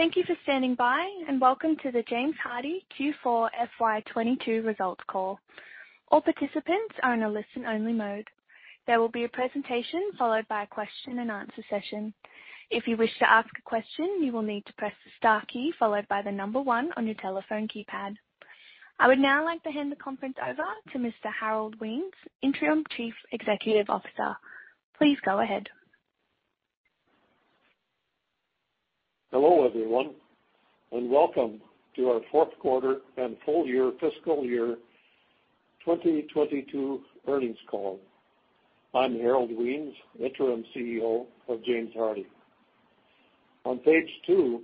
Thank you for standing by, and welcome to the James Hardie Q4 FY 2022 results call. All participants are in a listen-only mode. There will be a presentation followed by a question-and-answer session. If you wish to ask a question, you will need to press the star key followed by the number one on your telephone keypad. I would now like to hand the conference over to Mr. Harold Wiens, Interim Chief Executive Officer. Please go ahead. Hello, everyone, and welcome to our fourth quarter and full year fiscal year 2022 earnings call. I'm Harold Wiens, Interim CEO of James Hardie. On page two,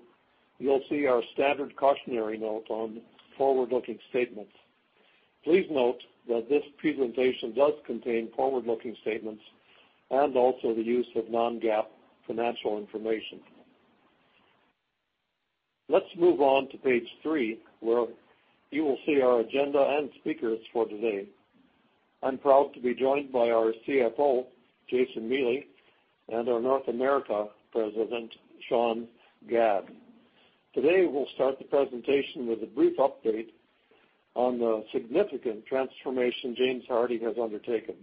you'll see our standard cautionary note on forward-looking statements. Please note that this presentation does contain forward-looking statements and also the use of non-GAAP financial information. Let's move on to page three, where you will see our agenda and speakers for today. I'm proud to be joined by our CFO, Jason Miele, and our North America President, Sean Gadd. Today, we'll start the presentation with a brief update on the significant transformation James Hardie has undertaken.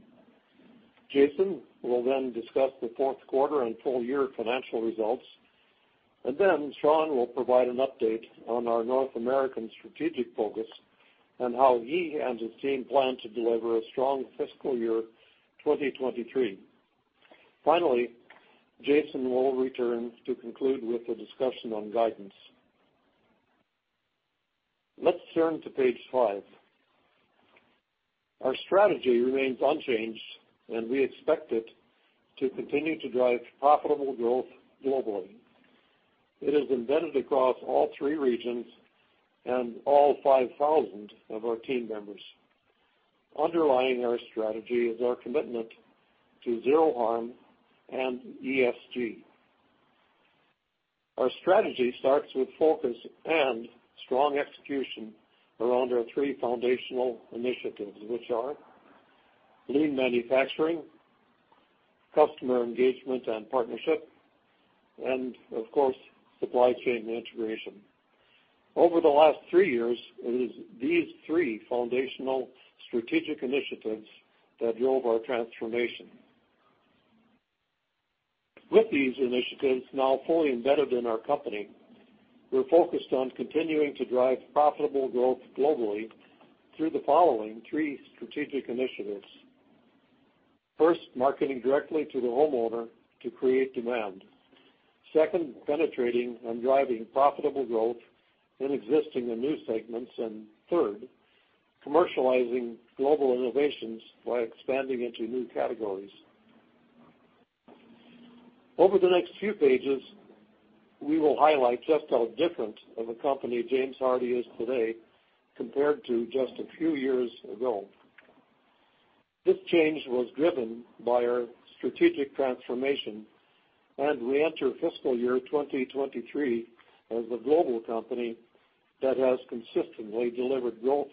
Jason will then discuss the fourth quarter and full year financial results, and then Sean will provide an update on our North American strategic focus and how he and his team plan to deliver a strong fiscal year 2023. Finally, Jason will return to conclude with a discussion on guidance. Let's turn to page five. Our strategy remains unchanged, and we expect it to continue to drive profitable growth globally. It is embedded across all three regions and all 5,000 of our team members. Underlying our strategy is our commitment to Zero Harm and ESG. Our strategy starts with focus and strong execution around our three foundational initiatives, which are lean manufacturing, customer engagement and partnership, and of course, supply chain integration. Over the last three years, it is these three foundational strategic initiatives that drove our transformation. With these initiatives now fully embedded in our company, we're focused on continuing to drive profitable growth globally through the following three strategic initiatives. First, marketing directly to the homeowner to create demand. Second, penetrating and driving profitable growth in existing and new segments. And third, commercializing global innovations by expanding into new categories. Over the next few pages, we will highlight just how different of a company James Hardie is today compared to just a few years ago. This change was driven by our strategic transformation, and we enter fiscal year 2023 as a global company that has consistently delivered growth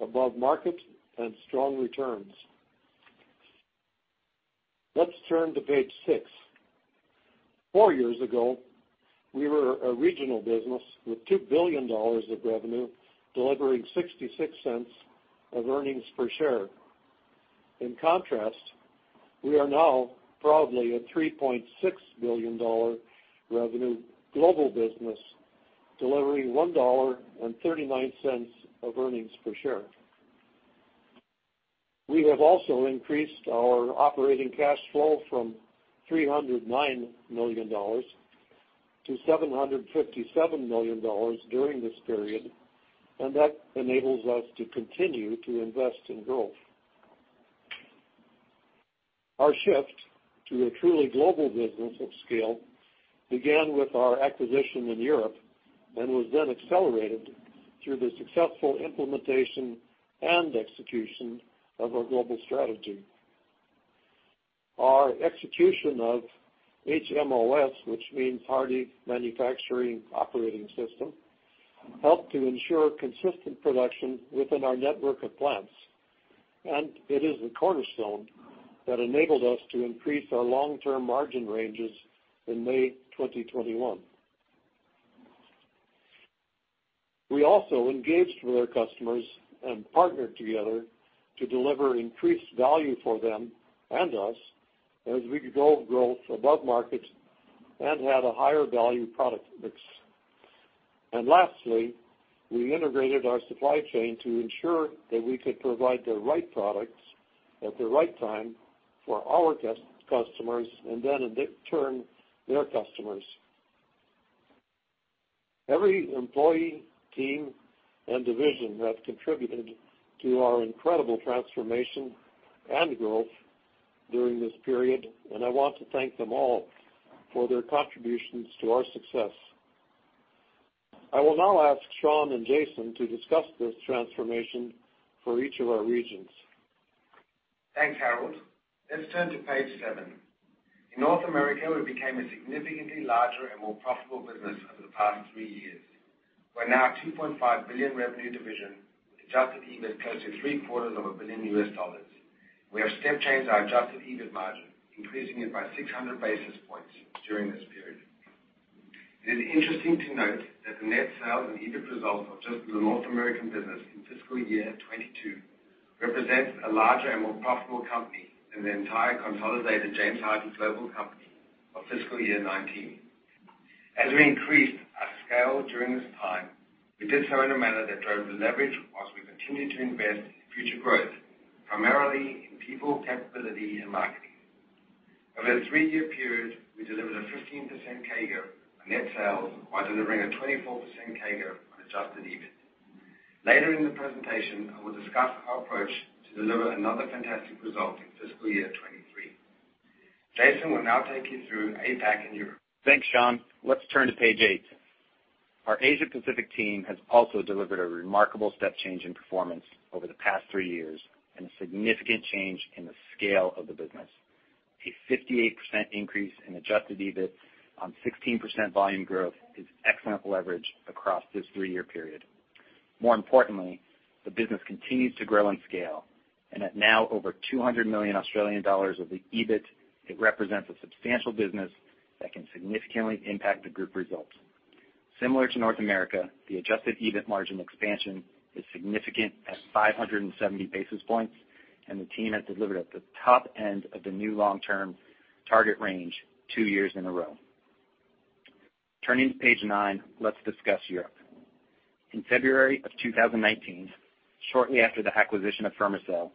above market and strong returns. Let's turn to page 6. Four years ago, we were a regional business with $2 billion of revenue, delivering $0.66 of earnings per share. In contrast, we are now proudly a $3.6 billion revenue global business, delivering $1.39 of earnings per share. We have also increased our operating cash flow from $309 million to $757 million during this period, and that enables us to continue to invest in growth. Our shift to a truly global business of scale began with our acquisition in Europe and was then accelerated through the successful implementation and execution of our global strategy. Our execution of HMOS, which means Hardie Manufacturing Operating System, helped to ensure consistent production within our network of plants, and it is the cornerstone that enabled us to increase our long-term margin ranges in May 2021. We also engaged with our customers and partnered together to deliver increased value for them and us as we drove growth above market and had a higher value product mix, and lastly, we integrated our supply chain to ensure that we could provide the right products at the right time for our customers, and then in turn, their customers. Every employee, team, and division have contributed to our incredible transformation and growth during this period, and I want to thank them all for their contributions to our success. I will now ask Sean and Jason to discuss this transformation for each of our regions. Thanks, Harold. Let's turn to page seven. In North America, we became a significantly larger and more profitable business over the past three years.... We're now a $2.5 billion revenue division, with adjusted EBIT close to $750 million. We have step changed our adjusted EBIT margin, increasing it by 600 basis points during this period. It is interesting to note that the net sales and EBIT results of just the North American business in fiscal year 2022 represents a larger and more profitable company than the entire consolidated James Hardie global company of fiscal year 2019. As we increased our scale during this time, we did so in a manner that drove the leverage, whilst we continued to invest in future growth, primarily in people, capability, and marketing. Over the three-year period, we delivered a 15% CAGR on net sales, while delivering a 24% CAGR on adjusted EBIT. Later in the presentation, I will discuss our approach to deliver another fantastic result in fiscal year 2023. Jason will now take you through APAC and Europe. Thanks, Sean. Let's turn to page eight. Our Asia Pacific team has also delivered a remarkable step change in performance over the past three years and a significant change in the scale of the business. A 58% increase in Adjusted EBIT on 16% volume growth is excellent leverage across this three-year period. More importantly, the business continues to grow and scale, and at now over 200 million Australian dollars of the EBIT, it represents a substantial business that can significantly impact the group results. Similar to North America, the Adjusted EBIT margin expansion is significant at 570 basis points, and the team has delivered at the top end of the new long-term target range two years in a row. Turning to page nine, let's discuss Europe. In February of 2019, shortly after the acquisition of Fermacell,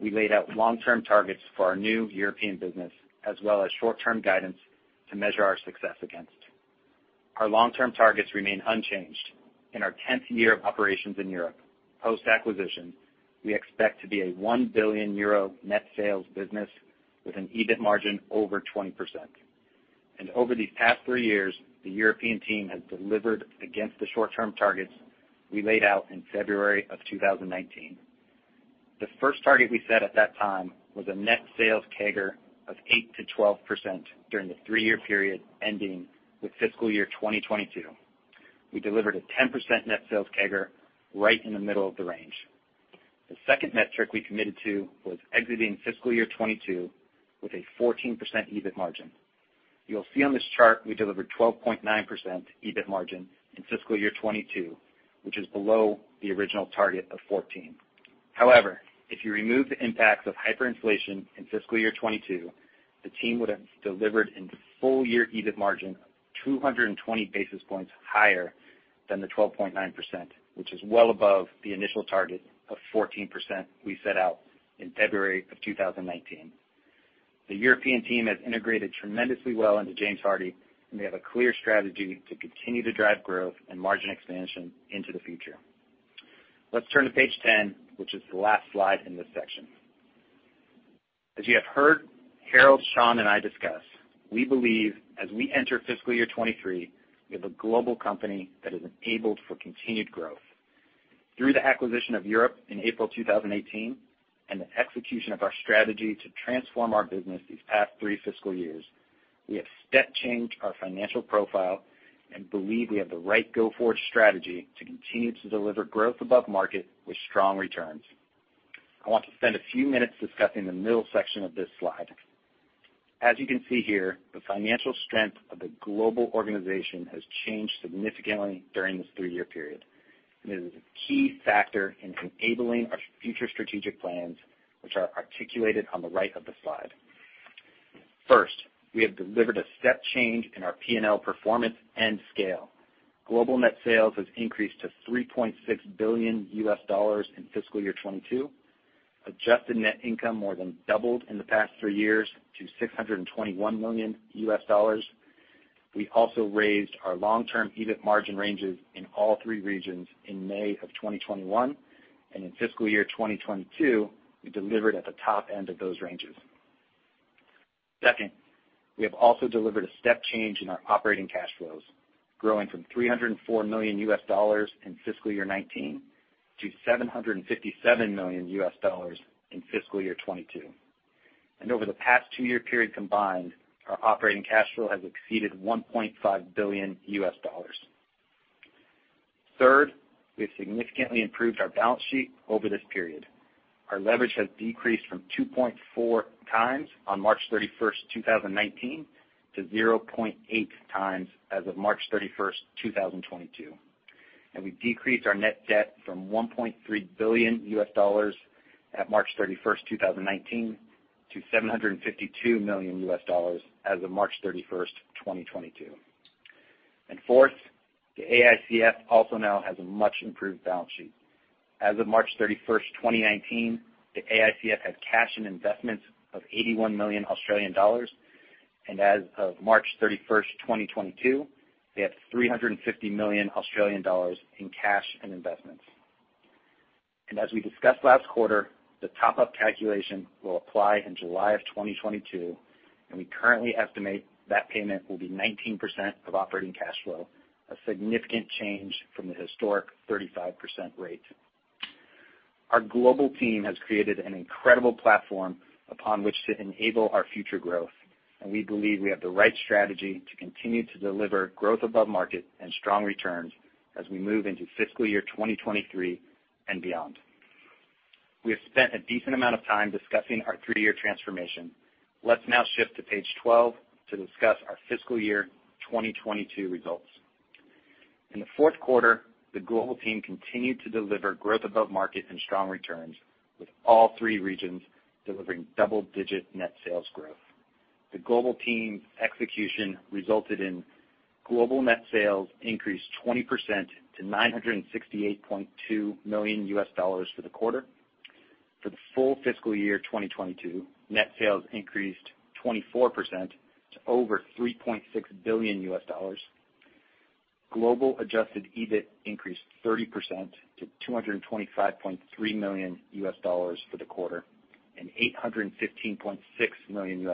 we laid out long-term targets for our new European business, as well as short-term guidance to measure our success against. Our long-term targets remain unchanged. In our 10th year of operations in Europe, post-acquisition, we expect to be a 1 billion euro net sales business with an EBIT margin over 20%. Over these past three years, the European team has delivered against the short-term targets we laid out in February of 2019. The first target we set at that time was a net sales CAGR of 8%-12% during the three-year period ending with fiscal year 2022. We delivered a 10% net sales CAGR right in the middle of the range. The second metric we committed to was exiting fiscal year 2022 with a 14% EBIT margin. You'll see on this chart, we delivered 12.9% EBIT margin in fiscal year 2022, which is below the original target of 14%. However, if you remove the impacts of hyperinflation in fiscal year 2022, the team would have delivered in full year EBIT margin 200 basis points higher than the 12.9%, which is well above the initial target of 14% we set out in February 2019. The European team has integrated tremendously well into James Hardie, and we have a clear strategy to continue to drive growth and margin expansion into the future. Let's turn to page ten, which is the last slide in this section. As you have heard Harold, Sean, and I discuss, we believe as we enter fiscal year 2023, we have a global company that is enabled for continued growth. Through the acquisition of Europe in April 2018, and the execution of our strategy to transform our business these past three fiscal years, we have step changed our financial profile and believe we have the right go-forward strategy to continue to deliver growth above market with strong returns. I want to spend a few minutes discussing the middle section of this slide. As you can see here, the financial strength of the global organization has changed significantly during this three-year period. It is a key factor in enabling our future strategic plans, which are articulated on the right of the slide. First, we have delivered a step change in our P&L performance and scale. Global net sales has increased to $3.6 billion in fiscal year 2022. Adjusted net income more than doubled in the past three years to $621 million. We also raised our long-term EBIT margin ranges in all three regions in May 2021, and in fiscal year 2022, we delivered at the top end of those ranges. Second, we have also delivered a step change in our operating cash flows, growing from $304 million in fiscal year 2019 to $757 million in fiscal year 2022. And over the past two-year period combined, our operating cash flow has exceeded $1.5 billion. Third, we have significantly improved our balance sheet over this period. Our leverage has decreased from 2.4 times on March 31st, 2019, to 0.8 times as of March 31st, 2022. And we decreased our net debt from $1.3 billion at March 31st, 2019, to $752 million as of March 31st, 2022. And fourth, the AICF also now has a much improved balance sheet. As of March 31st, 2019, the AICF had cash and investments of 81 million Australian dollars, and as of March 31st, 2022, they had 350 million Australian dollars in cash and investments. And as we discussed last quarter, the top-up calculation will apply in July of 2022, and we currently estimate that payment will be 19% of operating cash flow, a significant change from the historic 35% rate.... Our global team has created an incredible platform upon which to enable our future growth, and we believe we have the right strategy to continue to deliver growth above market and strong returns as we move into fiscal year 2023 and beyond. We have spent a decent amount of time discussing our three-year transformation. Let's now shift to page 12 to discuss our fiscal year 2022 results. In the fourth quarter, the global team continued to deliver growth above market and strong returns, with all three regions delivering double-digit net sales growth. The global team's execution resulted in global net sales increased 20% to $968.2 million for the quarter. For the full fiscal year 2022, net sales increased 24% to over $3.6 billion. Global adjusted EBIT increased 30% to $225.3 million for the quarter, and $815.6 million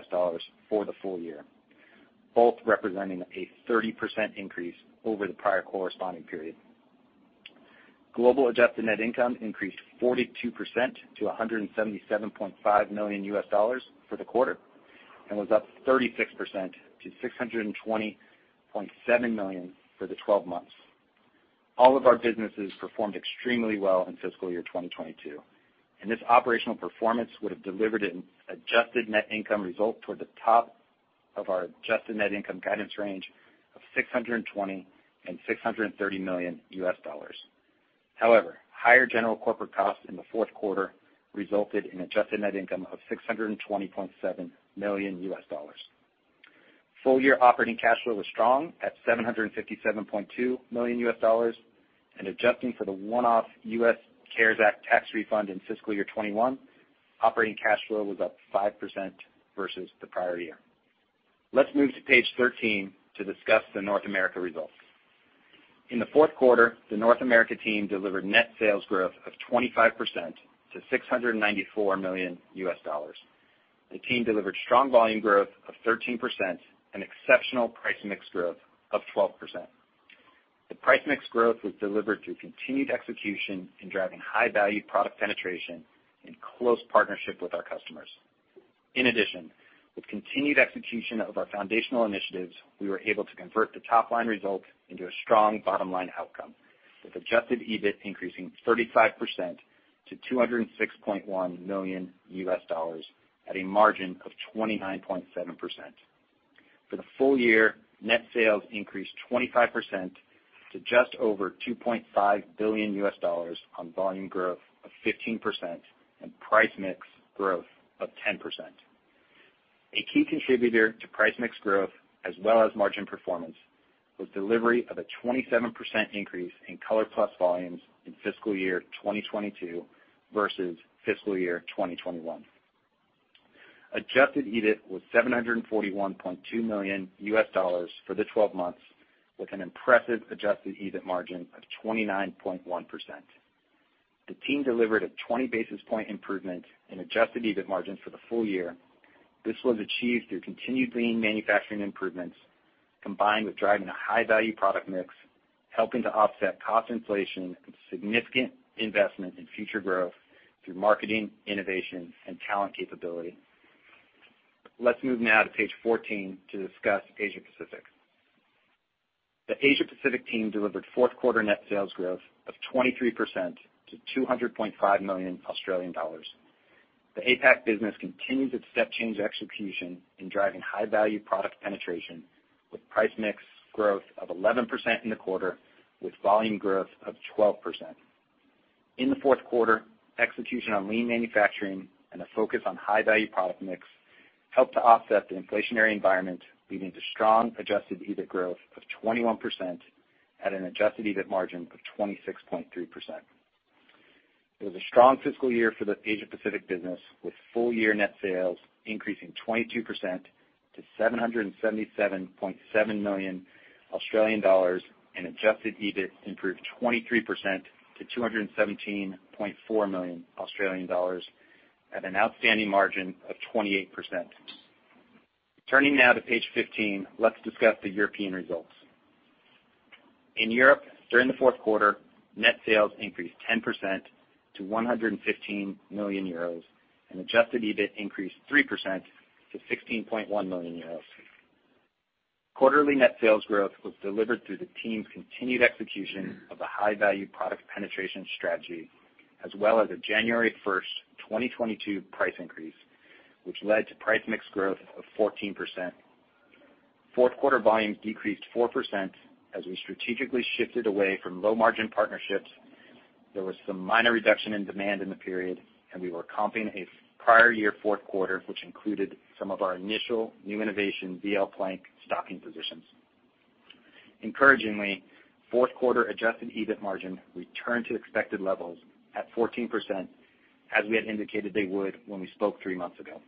for the full year, both representing a 30% increase over the prior corresponding period. Global adjusted net income increased 42% to $177.5 million for the quarter and was up 36% to $620.7 million for the twelve months. All of our businesses performed extremely well in fiscal year 2022, and this operational performance would have delivered an adjusted net income result toward the top of our adjusted net income guidance range of $620 million-$630 million. However, higher general corporate costs in the fourth quarter resulted in adjusted net income of $620.7 million. Full year operating cash flow was strong at $757.2 million, and adjusting for the one-off U.S. CARES Act tax refund in fiscal year 2021, operating cash flow was up 5% versus the prior year. Let's move to page 13 to discuss the North America results. In the fourth quarter, the North America team delivered net sales growth of 25% to $694 million. The team delivered strong volume growth of 13% and exceptional price mix growth of 12%. The price mix growth was delivered through continued execution in driving high-value product penetration in close partnership with our customers. In addition, with continued execution of our foundational initiatives, we were able to convert the top-line results into a strong bottom-line outcome, with Adjusted EBIT increasing 35% to $206.1 million at a margin of 29.7%. For the full year, net sales increased 25% to just over $2.5 billion on volume growth of 15% and price mix growth of 10%. A key contributor to price mix growth, as well as margin performance, was delivery of a 27% increase in ColorPlus volumes in fiscal year 2022 versus fiscal year 2021. Adjusted EBIT was $741.2 million for the twelve months, with an impressive Adjusted EBIT margin of 29.1%. The team delivered a 20 basis point improvement in adjusted EBIT margins for the full year. This was achieved through continued lean manufacturing improvements, combined with driving a high-value product mix, helping to offset cost inflation and significant investment in future growth through marketing, innovation, and talent capability. Let's move now to page 14 to discuss Asia Pacific. The Asia Pacific team delivered fourth quarter net sales growth of 23% to 200.5 million Australian dollars. The APAC business continues its step change execution in driving high-value product penetration, with price mix growth of 11% in the quarter, with volume growth of 12%. In the fourth quarter, execution on lean manufacturing and a focus on high-value product mix helped to offset the inflationary environment, leading to strong adjusted EBIT growth of 21% at an adjusted EBIT margin of 26.3%. It was a strong fiscal year for the Asia Pacific business, with full year net sales increasing 22% to 777.7 million Australian dollars, and Adjusted EBIT improved 23% to 217.4 million Australian dollars at an outstanding margin of 28%. Turning now to page 15, let's discuss the European results. In Europe, during the fourth quarter, net sales increased 10% to 115 million euros, and Adjusted EBIT increased 3% to 16.1 million euros. Quarterly net sales growth was delivered through the team's continued execution of a high-value product penetration strategy, as well as a January 1, 2022 price increase, which led to price mix growth of 14%. Fourth quarter volumes decreased 4% as we strategically shifted away from low-margin partnerships. There was some minor reduction in demand in the period, and we were comping a prior year fourth quarter, which included some of our initial new innovation VL Plank stocking positions. Encouragingly, fourth quarter Adjusted EBIT margin returned to expected levels at 14%, as we had indicated they would when we spoke three months ago.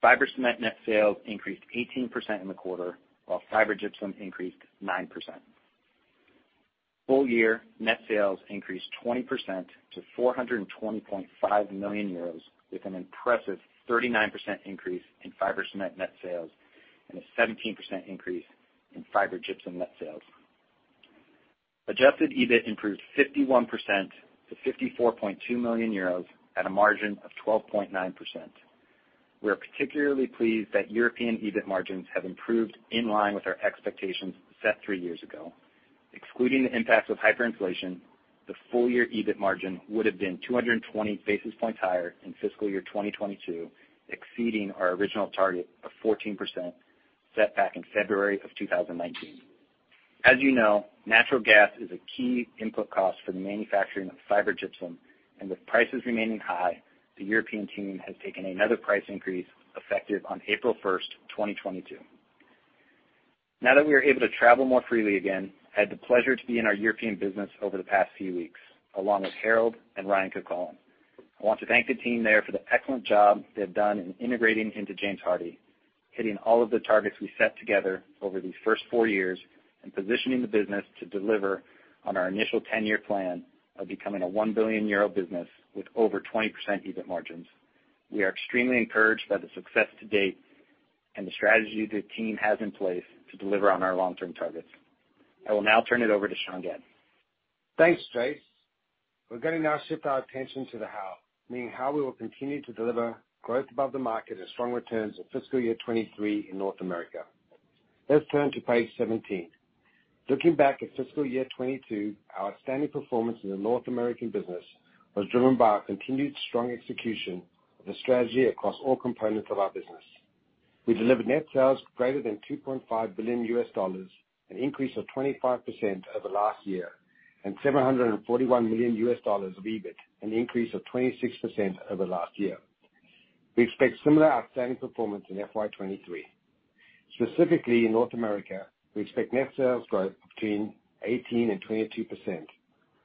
fiber cement net sales increased 18% in the quarter, while fiber gypsum increased 9%. Full year net sales increased 20% to 420.5 million euros, with an impressive 39% increase in fiber cement net sales and a 17% increase in fiber gypsum net sales. Adjusted EBIT improved 51% to 54.2 million euros at a margin of 12.9%. We are particularly pleased that European EBIT margins have improved in line with our expectations set three years ago. Excluding the impacts of hyperinflation, the full year EBIT margin would have been 220 basis points higher in fiscal year 2022, exceeding our original target of 14%, set back in February of 2019. As you know, natural gas is a key input cost for the manufacturing of fiber gypsum, and with prices remaining high, the European team has taken another price increase, effective on April 1, 2022. Now that we are able to travel more freely again, I had the pleasure to be in our European business over the past few weeks, along with Harold and Ryan Kukolik. I want to thank the team there for the excellent job they have done in integrating into James Hardie, hitting all of the targets we set together over these first four years, and positioning the business to deliver on our initial 10 year plan of becoming a 1 billion euro business with over 20% EBIT margins. We are extremely encouraged by the success to date and the strategy the team has in place to deliver on our long-term targets. I will now turn it over to Sean Gadd. Thanks, Jase. We're going to now shift our attention to the how, meaning how we will continue to deliver growth above the market and strong returns in fiscal year 2023 in North America. Let's turn to page 17. Looking back at fiscal year 2022, our outstanding performance in the North American business was driven by our continued strong execution of the strategy across all components of our business. We delivered net sales greater than $2.5 billion, an increase of 25% over last year, and $741 million of EBIT, an increase of 26% over last year. We expect similar outstanding performance in FY 2023. Specifically, in North America, we expect net sales growth between 18% and 22%,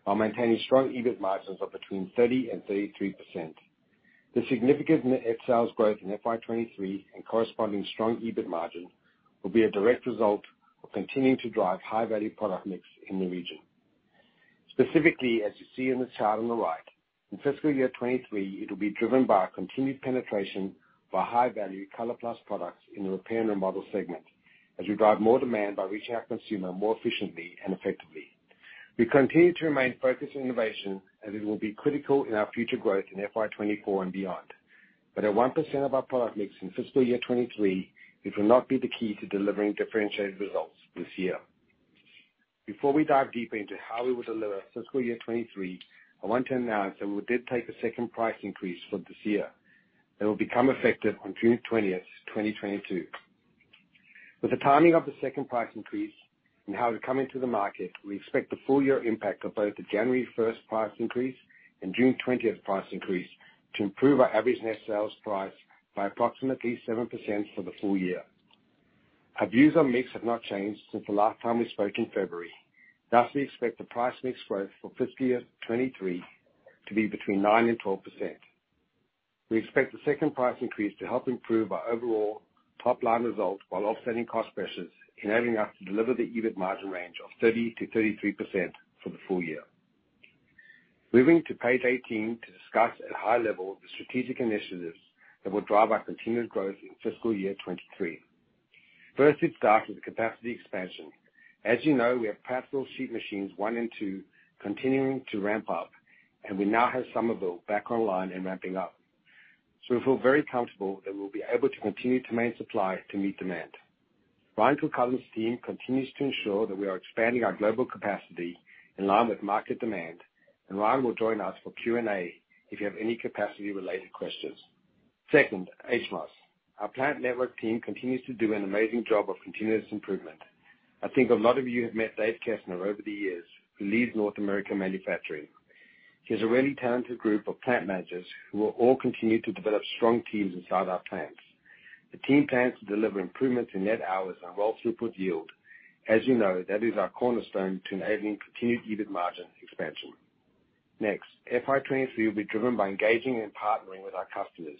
while maintaining strong EBIT margins of between 30% and 33%. The significant net net sales growth in FY 2023 and corresponding strong EBIT margin will be a direct result of continuing to drive high-value product mix in the region. Specifically, as you see in the chart on the right, in fiscal year 2023, it will be driven by our continued penetration of our high-value ColorPlus products in the repair and remodel segment, as we drive more demand by reaching our consumer more efficiently and effectively. We continue to remain focused on innovation, as it will be critical in our future growth in FY 2024 and beyond. But at 1% of our product mix in fiscal year 2023, it will not be the key to delivering differentiated results this year. Before we dive deeper into how we will deliver fiscal year 2023, I want to announce that we did take a second price increase for this year, that will become effective on June 20, 2022. With the timing of the second price increase and how to come into the market, we expect the full year impact of both the January first price increase and June 20 price increase to improve our average net sales price by approximately 7% for the full year. Our views on mix have not changed since the last time we spoke in February. Thus, we expect the price mix growth for fiscal year 2023 to be between 9% and 12%. We expect the second price increase to help improve our overall top-line results while offsetting cost pressures, enabling us to deliver the EBIT margin range of 30%-33% for the full year. Moving to page 18 to discuss at a high level the strategic initiatives that will drive our continued growth in fiscal year 2023. First, let's start with the capacity expansion. As you know, we have Prattville Sheet Machines One and Two continuing to ramp up, and we now have Summerville back online and ramping up. So we feel very comfortable that we'll be able to continue to maintain supply to meet demand. Ryan Kukolik's team continues to ensure that we are expanding our global capacity in line with market demand, and Ryan will join us for Q&A if you have any capacity-related questions. Second, HMOS. Our plant network team continues to do an amazing job of continuous improvement. I think a lot of you have met Dave Kastner over the years, who leads North America manufacturing. He has a really talented group of plant managers who will all continue to develop strong teams inside our plants. The team plans to deliver improvements in net hours and Roll Throughput Yield. As you know, that is our cornerstone to enabling continued EBIT margin expansion. Next, FY 2023 will be driven by engaging and partnering with our customers.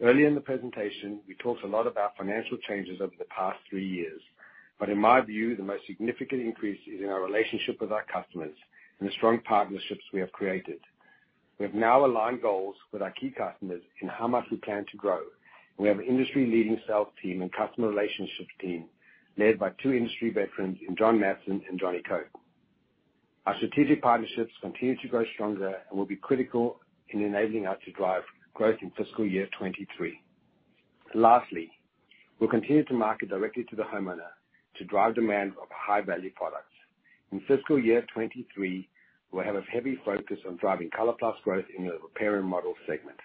Earlier in the presentation, we talked a lot about financial changes over the past three years, but in my view, the most significant increase is in our relationship with our customers and the strong partnerships we have created. We have now aligned goals with our key customers in how much we plan to grow. We have an industry-leading sales team and customer relationships team, led by two industry veterans in John Madson and Johnny Coke. Our strategic partnerships continue to grow stronger and will be critical in enabling us to drive growth in fiscal year 2023. Lastly, we'll continue to market directly to the homeowner to drive demand of high-value products. In fiscal year 2023, we'll have a heavy focus on driving ColorPlus growth in the repair and remodel segment.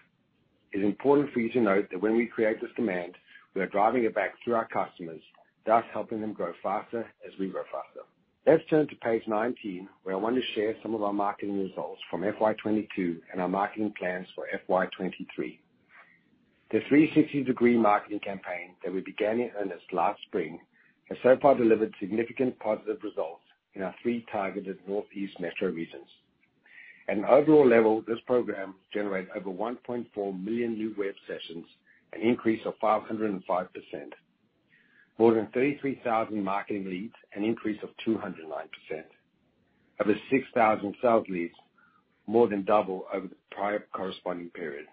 It's important for you to note that when we create this demand, we are driving it back through our customers, thus helping them grow faster as we grow faster. Let's turn to page 19, where I want to share some of our marketing results from FY 2022 and our marketing plans for FY 2023. The 360-degree marketing campaign that we began in earnest last spring has so far delivered significant positive results in our three targeted Northeast metro regions. At an overall level, this program generated over 1.4 million new web sessions, an increase of 505%. More than 33,000 marketing leads, an increase of 209%. Over 6,000 sales leads, more than double over the prior corresponding period.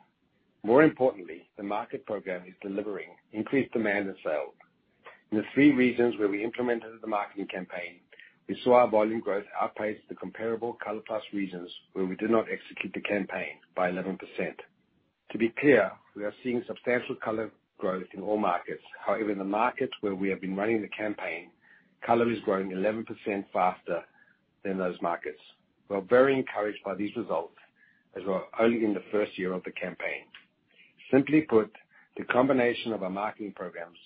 More importantly, the market program is delivering increased demand and sales. In the three regions where we implemented the marketing campaign, we saw our volume growth outpace the comparable ColorPlus regions where we did not execute the campaign by 11%. To be clear, we are seeing substantial ColorPlus growth in all markets. However, in the markets where we have been running the campaign, ColorPlus is growing 11% faster than those markets. We are very encouraged by these results, as we're only in the first year of the campaign. Simply put, the combination of our marketing programs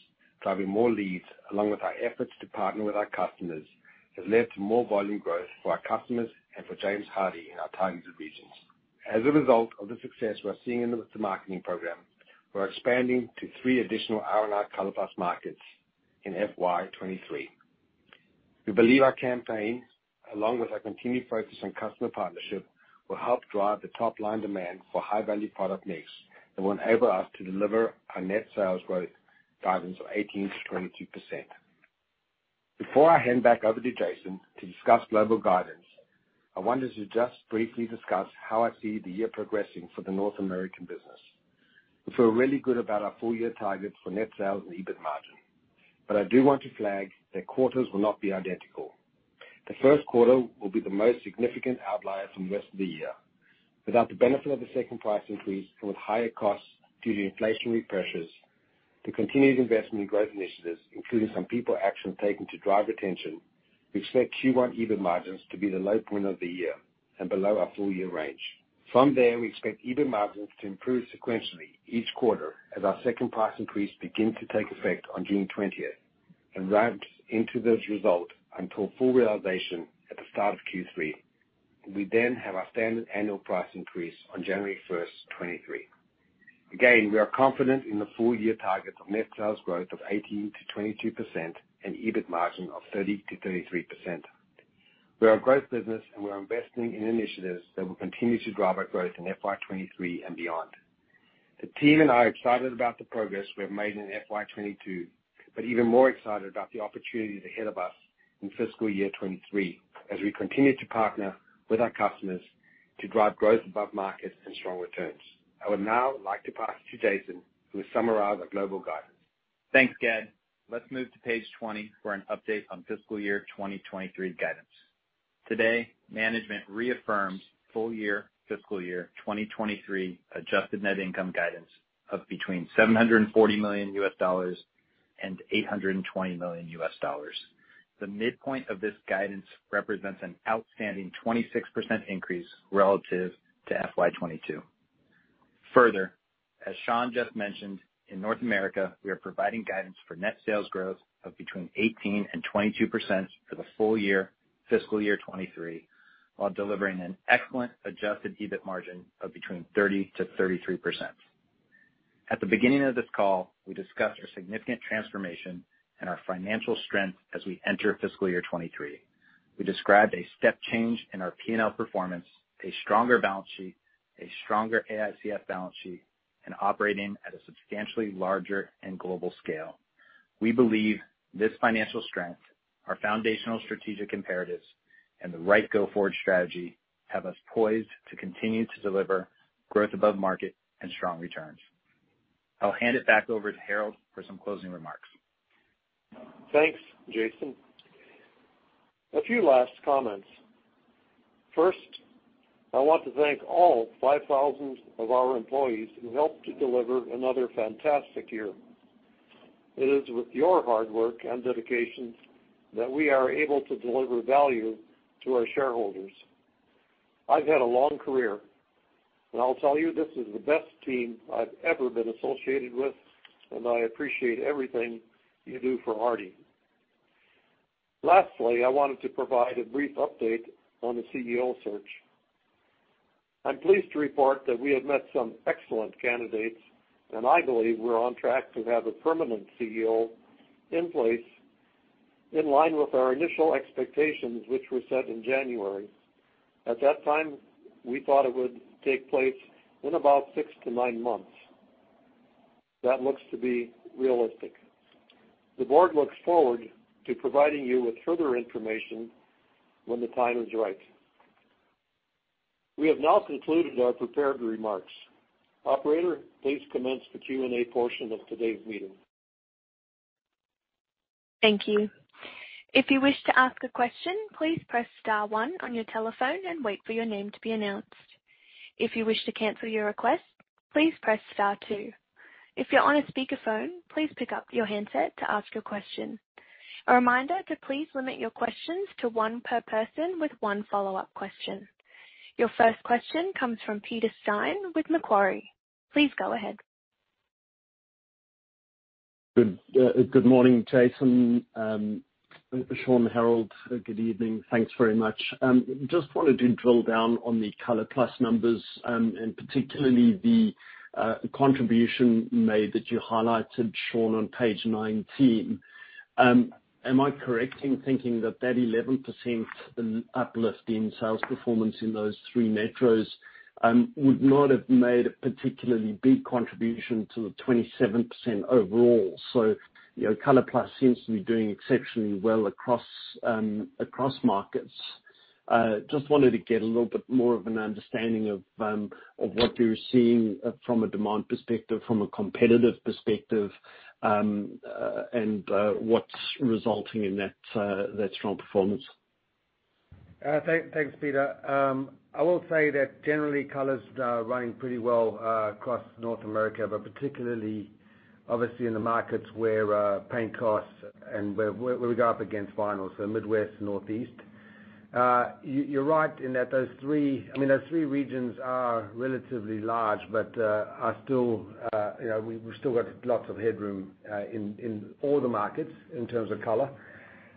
driving more leads, along with our efforts to partner with our customers, has led to more volume growth for our customers and for James Hardie in our targeted regions. As a result of the success we're seeing in with the marketing program, we're expanding to three additional R&R ColorPlus markets in FY 2023. We believe our campaign, along with our continued focus on customer partnership, will help drive the top line demand for high-value product mix and will enable us to deliver our net sales growth guidance of 18%-22%. Before I hand back over to Jason to discuss global guidance, I wanted to just briefly discuss how I see the year progressing for the North American business. We feel really good about our full year targets for net sales and EBIT margin, but I do want to flag that quarters will not be identical. The first quarter will be the most significant outlier from the rest of the year. Without the benefit of the second price increase and with higher costs due to inflationary pressures, the continued investment in growth initiatives, including some people action taken to drive retention, we expect Q1 EBIT margins to be the low point of the year and below our full year range. From there, we expect EBIT margins to improve sequentially each quarter as our second price increase begins to take effect on June 20 and ramped into those results until full realization at the start of Q3. We then have our standard annual price increase on January first, 2023. Again, we are confident in the full year targets of net sales growth of 18%-22% and EBIT margin of 30%-33%. We are a growth business, and we are investing in initiatives that will continue to drive our growth in FY 2023 and beyond. The team and I are excited about the progress we have made in FY 2022, but even more excited about the opportunities ahead of us in fiscal year 2023, as we continue to partner with our customers to drive growth above market and strong returns. I would now like to pass it to Jason, who will summarize our global guidance. Thanks, Sean. Let's move to page 20 for an update on fiscal year 2023 guidance. Today, management reaffirms full year fiscal year 2023 adjusted net income guidance of between $740 million and $820 million. The midpoint of this guidance represents an outstanding 26% increase relative to FY 2022. Further, as Sean just mentioned, in North America, we are providing guidance for net sales growth of between 18% and 22% for the full year fiscal year 2023, while delivering an excellent adjusted EBIT margin of between 30%-33%. At the beginning of this call, we discussed our significant transformation and our financial strength as we enter fiscal year 2023. We described a step change in our P&L performance, a stronger balance sheet, a stronger AICF balance sheet, and operating at a substantially larger and global scale. We believe this financial strength, our foundational strategic imperatives, and the right go-forward strategy have us poised to continue to deliver growth above market and strong returns. I'll hand it back over to Harold for some closing remarks. Thanks, Jason. A few last comments. First, I want to thank all 5,000 of our employees who helped to deliver another fantastic year. It is with your hard work and dedication that we are able to deliver value to our shareholders. I've had a long career, and I'll tell you, this is the best team I've ever been associated with, and I appreciate everything you do for Hardie. Lastly, I wanted to provide a brief update on the CEO search. I'm pleased to report that we have met some excellent candidates, and I believe we're on track to have a permanent CEO in place in line with our initial expectations, which were set in January. At that time, we thought it would take place in about six to nine months. That looks to be realistic. The board looks forward to providing you with further information when the time is right. We have now concluded our prepared remarks. Operator, please commence the Q&A portion of today's meeting. Thank you. If you wish to ask a question, please press star one on your telephone and wait for your name to be announced. If you wish to cancel your request, please press star two. If you're on a speakerphone, please pick up your handset to ask your question. A reminder to please limit your questions to one per person with one follow-up question. Your first question comes from Peter Steyn with Macquarie. Please go ahead. Good morning, Jason, Sean, Harold, good evening. Thanks very much. Just wanted to drill down on the ColorPlus numbers, and particularly the contribution made that you highlighted, Sean, on page 19. Am I correct in thinking that that 11% uplift in sales performance in those three metros would not have made a particularly big contribution to the 27% overall? So, you know, ColorPlus seems to be doing exceptionally well across markets. Just wanted to get a little bit more of an understanding of what you're seeing from a demand perspective, from a competitive perspective, and what's resulting in that strong performance?... Thanks, Peter. I will say that generally, color's running pretty well across North America, but particularly obviously in the markets where paint costs and where we go up against vinyl, so Midwest and Northeast. You're right in that those three-- I mean, those three regions are relatively large, but are still, you know, we've still got lots of headroom in all the markets in terms of color.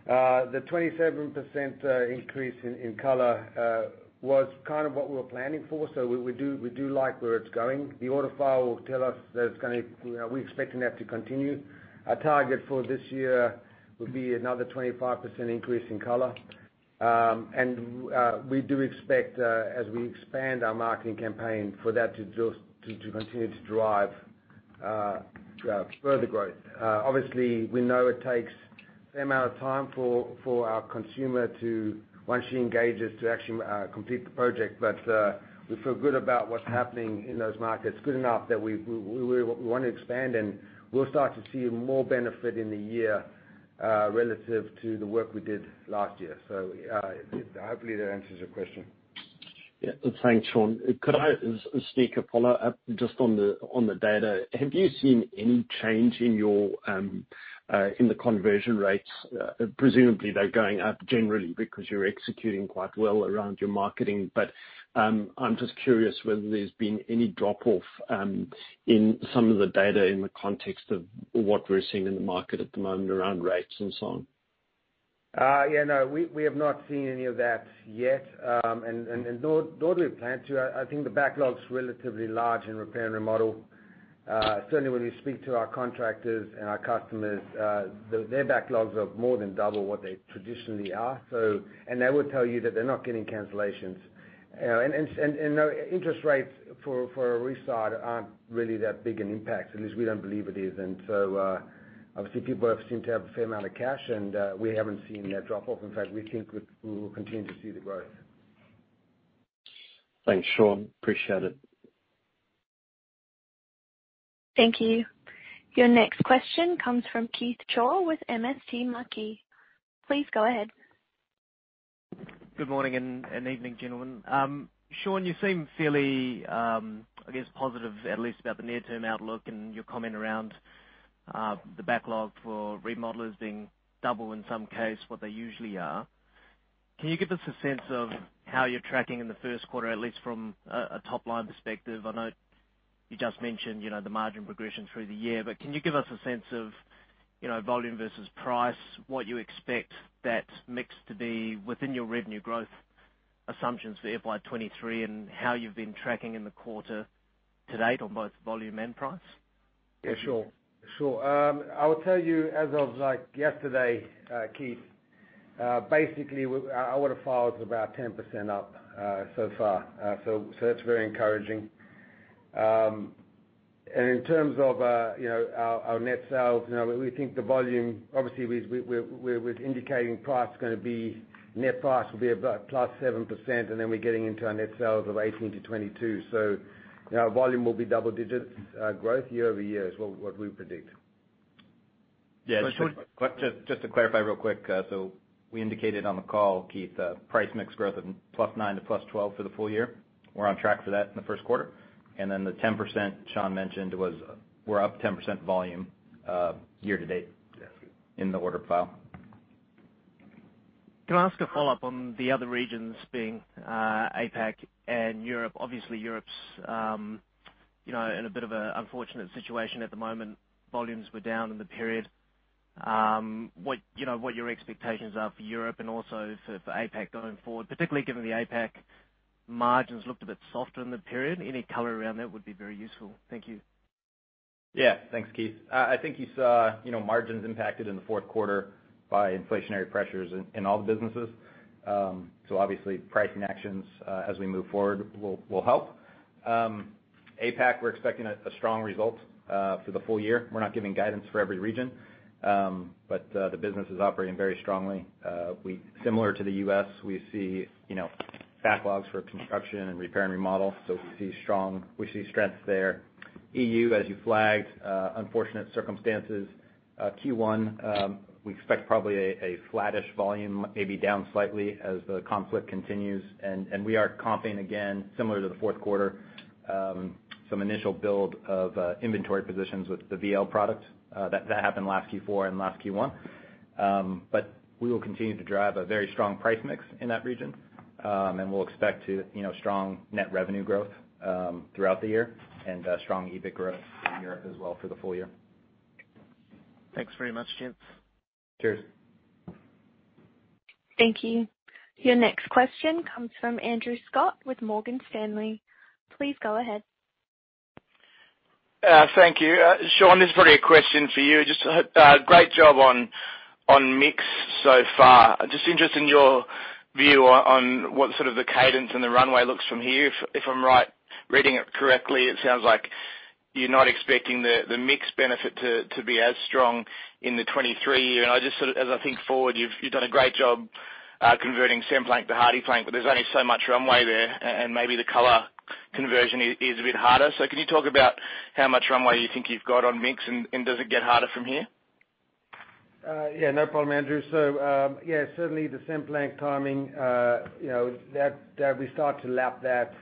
The 27% increase in color was kind of what we were planning for, so we do like where it's going. The order file will tell us that it's gonna... You know, we're expecting that to continue. Our target for this year will be another 25% increase in color. And we do expect, as we expand our marketing campaign, for that to just to continue to drive further growth. Obviously, we know it takes a fair amount of time for our consumer to, once she engages, to actually complete the project. But we feel good about what's happening in those markets, good enough that we want to expand, and we'll start to see more benefit in the year relative to the work we did last year. So hopefully that answers your question. Yeah. Thanks, Sean. Could I sneak a follow-up just on the data? Have you seen any change in your conversion rates? Presumably, they're going up generally because you're executing quite well around your marketing, but I'm just curious whether there's been any drop-off in some of the data in the context of what we're seeing in the market at the moment around rates and so on. Yeah, no, we have not seen any of that yet, and nor do we plan to. I think the backlog's relatively large in repair and remodel. Certainly when you speak to our contractors and our customers, their backlogs are more than double what they traditionally are, so they will tell you that they're not getting cancellations. You know, interest rates for a restart aren't really that big an impact, at least we don't believe it is. So, obviously, people seem to have a fair amount of cash, and we haven't seen a drop-off. In fact, we think we will continue to see the growth. Thanks, Sean. Appreciate it. Thank you. Your next question comes from Keith Chau with MST Marquee. Please go ahead. Good morning and evening, gentlemen. Sean, you seem fairly, I guess, positive, at least about the near-term outlook and your comment around the backlog for remodelers being double in some case, what they usually are. Can you give us a sense of how you're tracking in the first quarter, at least from a top-line perspective? I know you just mentioned, you know, the margin progression through the year. But can you give us a sense of, you know, volume versus price, what you expect that mix to be within your revenue growth assumptions for FY 2023, and how you've been tracking in the quarter to date on both volume and price? Yeah, sure. Sure. I will tell you, as of, like, yesterday, Keith, basically our order file is about 10% up, so far. So that's very encouraging. And in terms of, you know, our net sales, you know, we think the volume, obviously, we're indicating price is gonna be, net price will be about +7%, and then we're getting into our net sales of 18% to 22%. So, you know, our volume will be double digits growth year-over-year is what we predict. Yeah, just, just to clarify real quick, so we indicated on the call, Keith, price mix growth of +9% to +12% for the full year. We're on track for that in the first quarter. And then the 10% Sean mentioned was, we're up 10% volume, year to date- Yeah. - in the order file. Can I ask a follow-up on the other regions being APAC and Europe? Obviously, Europe's, you know, in a bit of an unfortunate situation at the moment. Volumes were down in the period. What, you know, what your expectations are for Europe and also for APAC going forward, particularly given the APAC margins looked a bit softer in the period. Any color around that would be very useful. Thank you. Yeah. Thanks, Keith. I think you saw, you know, margins impacted in the fourth quarter by inflationary pressures in all the businesses. So obviously, pricing actions as we move forward will help. APAC, we're expecting a strong result for the full year. We're not giving guidance for every region, but the business is operating very strongly. Similar to the U.S., we see, you know, backlogs for construction and repair and remodel, so we see strong, we see strength there. EU, as you flagged, unfortunate circumstances. Q1, we expect probably a flattish volume, maybe down slightly as the conflict continues. And we are comping again, similar to the fourth quarter, some initial build of inventory positions with the VL products. That happened last Q4 and last Q1. But we will continue to drive a very strong price mix in that region, and we'll expect to, you know, strong net revenue growth throughout the year, and strong EBIT growth in Europe as well for the full year. Thanks very much, gents. Cheers. Thank you. Your next question comes from Andrew Scott with Morgan Stanley. Please go ahead. Thank you. Sean, this is probably a question for you. Just great job on mix so far. Just interested in your view on what sort of the cadence and the runway looks from here. If I'm right reading it correctly, it sounds like you're not expecting the mix benefit to be as strong in the 2023 year. And I just sort of... As I think forward, you've done a great job converting Cemplank to HardiePlank, but there's only so much runway there, and maybe the color conversion is a bit harder. So can you talk about how much runway you think you've got on mix, and does it get harder from here? ... Yeah, no problem, Andrew. Yeah, certainly the Cemplank timing, you know, that we start to lap that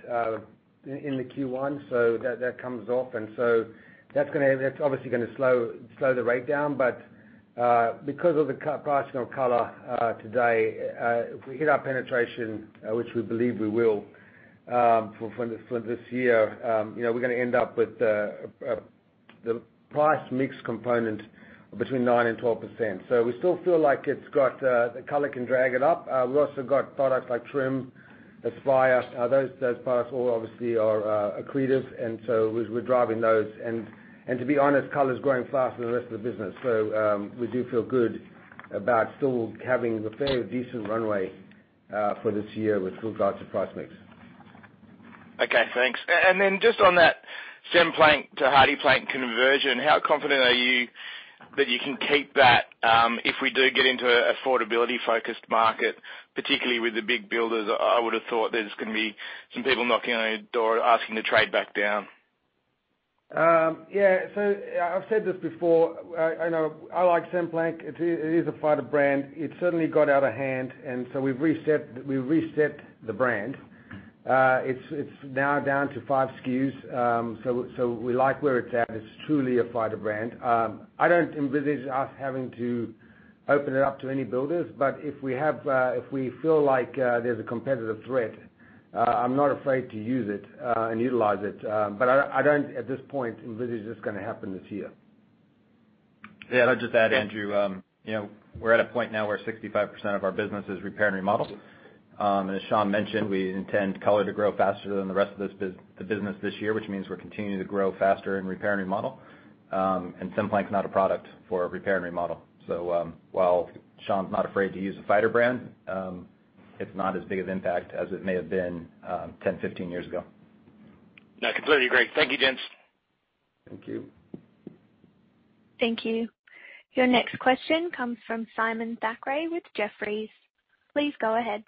in the Q1, so that comes off. That's obviously gonna slow the rate down. Because of the pricing of Color today, if we hit our penetration, which we believe we will, for this year, you know, we're gonna end up with the price mix component between 9% and 12%. We still feel like it's got the Color can drag it up. We've also got products like Trim, Aspyre. Those products all obviously are accretive, and so we're driving those. To be honest, Color is growing faster than the rest of the business. We do feel good about still having a fair, decent runway for this year with good guides and price mix. Okay, thanks. And then just on that Cemplank to HardiePlank conversion, how confident are you that you can keep that, if we do get into an affordability-focused market, particularly with the big builders? I would have thought there's gonna be some people knocking on your door asking to trade back down. Yeah. So, yeah, I've said this before. I know I like Cemplank. It is a fighter brand. It certainly got out of hand, and so we've reset the brand. It's now down to five SKUs. So we like where it's at. It's truly a fighter brand. I don't envisage us having to open it up to any builders, but if we feel like there's a competitive threat, I'm not afraid to use it and utilize it. But I don't, at this point, envisage it's gonna happen this year. Yeah, I'll just add, Andrew, you know, we're at a point now where 65% of our business is repair and remodel. And as Sean mentioned, we intend ColorPlus to grow faster than the rest of the business this year, which means we're continuing to grow faster in repair and remodel. And Cemplank is not a product for repair and remodel. So, while Sean's not afraid to use a fighter brand, it's not as big of impact as it may have been, 10, 15 years ago. No, completely agree. Thank you, gents. Thank you. Thank you. Your next question comes from Simon Thackray with Jefferies. Please go ahead.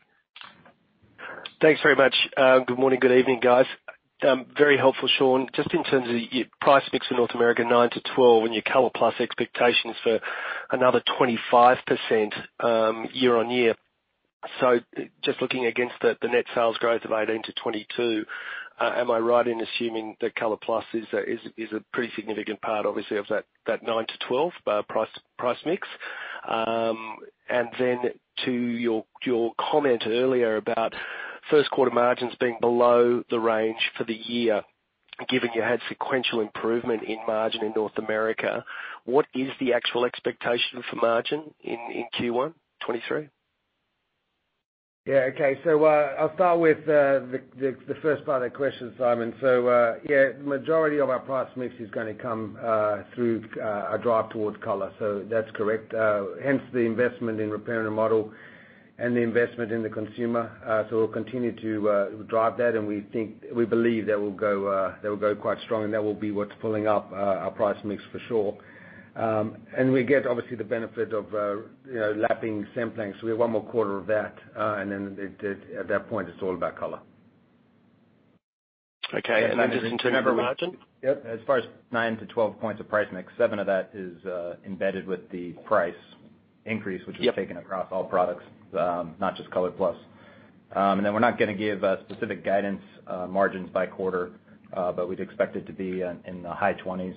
Thanks very much. Good morning, good evening, guys. Very helpful, Sean. Just in terms of your price mix in North America, 9%-12%, and your ColorPlus expectations for another 25% year on year. So just looking against the net sales growth of 18%-22%, am I right in assuming that ColorPlus is a pretty significant part, obviously, of that 9%-12% price mix? And then to your comment earlier about first quarter margins being below the range for the year, given you had sequential improvement in margin in North America, what is the actual expectation for margin in Q1 2023? Yeah. Okay. So, I'll start with the first part of the question, Simon. So, yeah, the majority of our price mix is gonna come through a drive towards color. So that's correct. Hence the investment in repair and remodel and the investment in the consumer. So we'll continue to drive that, and we believe that will go quite strong, and that will be what's pulling up our price mix for sure. And we get, obviously, the benefit of, you know, lapping Cemplank. So we have one more quarter of that, and then it, at that point, it's all about color. Okay, and then just in terms of margin? Yep. As far as 9-12 points of price mix, seven of that is, embedded with the price increase- Yep... which is taken across all products, not just ColorPlus. And then we're not gonna give specific guidance, margins by quarter, but we'd expect it to be in the high 20s.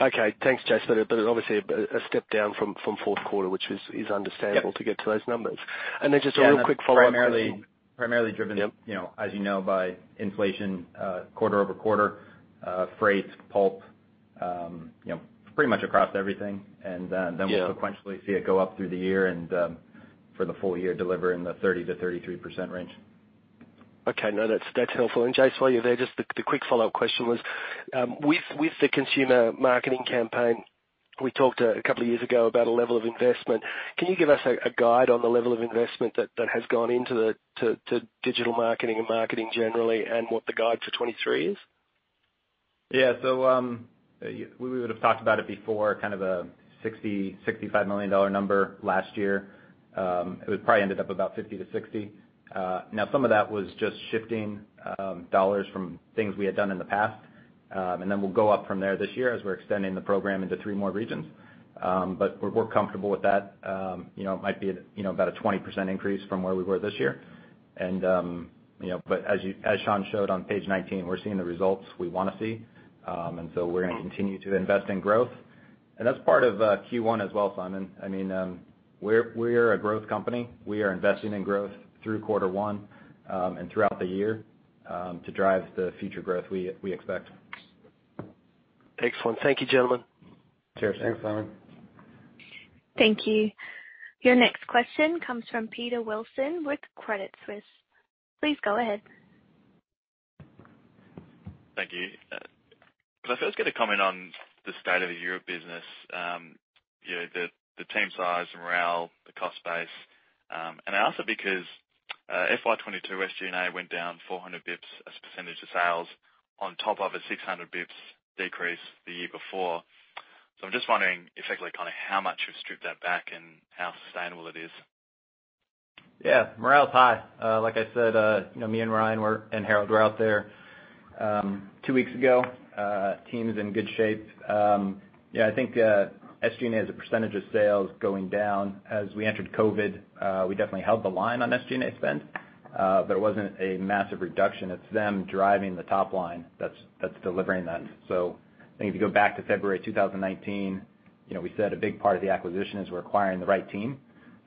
Okay. Thanks, Jase, but obviously a step down from fourth quarter, which is understandable. Yep... to get to those numbers. And then just a real quick follow-up- Yeah, primarily driven- Yep... you know, as you know, by inflation, quarter over quarter, freight, pulp, you know, pretty much across everything. And. Yeah... then we'll sequentially see it go up through the year and, for the full year, deliver in the 30%-33% range. Okay. No, that's helpful. And, Jase, while you're there, just the quick follow-up question was, with the consumer marketing campaign, we talked a couple of years ago about a level of investment. Can you give us a guide on the level of investment that has gone into the digital marketing and marketing generally, and what the guide for 2023 is? Yeah. So, we would have talked about it before, kind of a $60 million-$65 million number last year. It was probably ended up about $50 million to $60 million. Now some of that was just shifting dollars from things we had done in the past. And then we'll go up from there this year as we're extending the program into three more regions. But we're, we're comfortable with that. You know, it might be, you know, about a 20% increase from where we were this year. And, you know, but as Sean showed on page 19, we're seeing the results we wanna see. And so we're gonna continue to invest in growth. And that's part of Q1 as well, Simon. I mean, we're, we're a growth company. We are investing in growth through quarter one, and throughout the year, to drive the future growth we expect. Excellent. Thank you, gentlemen. Cheers. Thanks, Simon. Thank you. Your next question comes from Peter Wilson with Credit Suisse. Please go ahead. Thank you. Could I first get a comment on the state of the Europe business, you know, the team size, morale, the cost base? And also because FY 2022 SG&A went down 400 basis points as a percentage of sales, on top of a 600 basis points decrease the year before. So I'm just wondering, effectively, kind of how much you've stripped that back and how sustainable it is?... Yeah, morale is high. Like I said, you know, me and Ryan, we're, and Harold were out there two weeks ago. Team's in good shape. Yeah, I think SG&A as a percentage of sales going down. As we entered COVID, we definitely held the line on SG&A spend. But it wasn't a massive reduction. It's them driving the top line that's delivering that. So I think if you go back to February 2019, you know, we said a big part of the acquisition is we're acquiring the right team.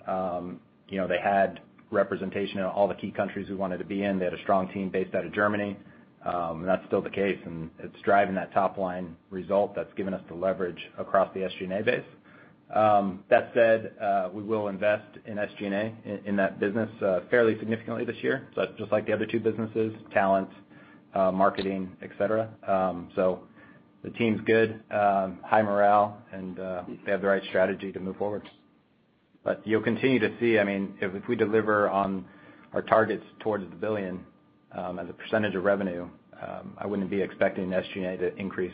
You know, they had representation in all the key countries we wanted to be in. They had a strong team based out of Germany, and that's still the case, and it's driving that top line result that's given us the leverage across the SG&A base. That said, we will invest in SG&A in that business fairly significantly this year. So just like the other two businesses, talent, marketing, et cetera. So the team's good, high morale, and they have the right strategy to move forward. But you'll continue to see, I mean, if we deliver on our targets towards the billion, as a percentage of revenue, I wouldn't be expecting SG&A to increase.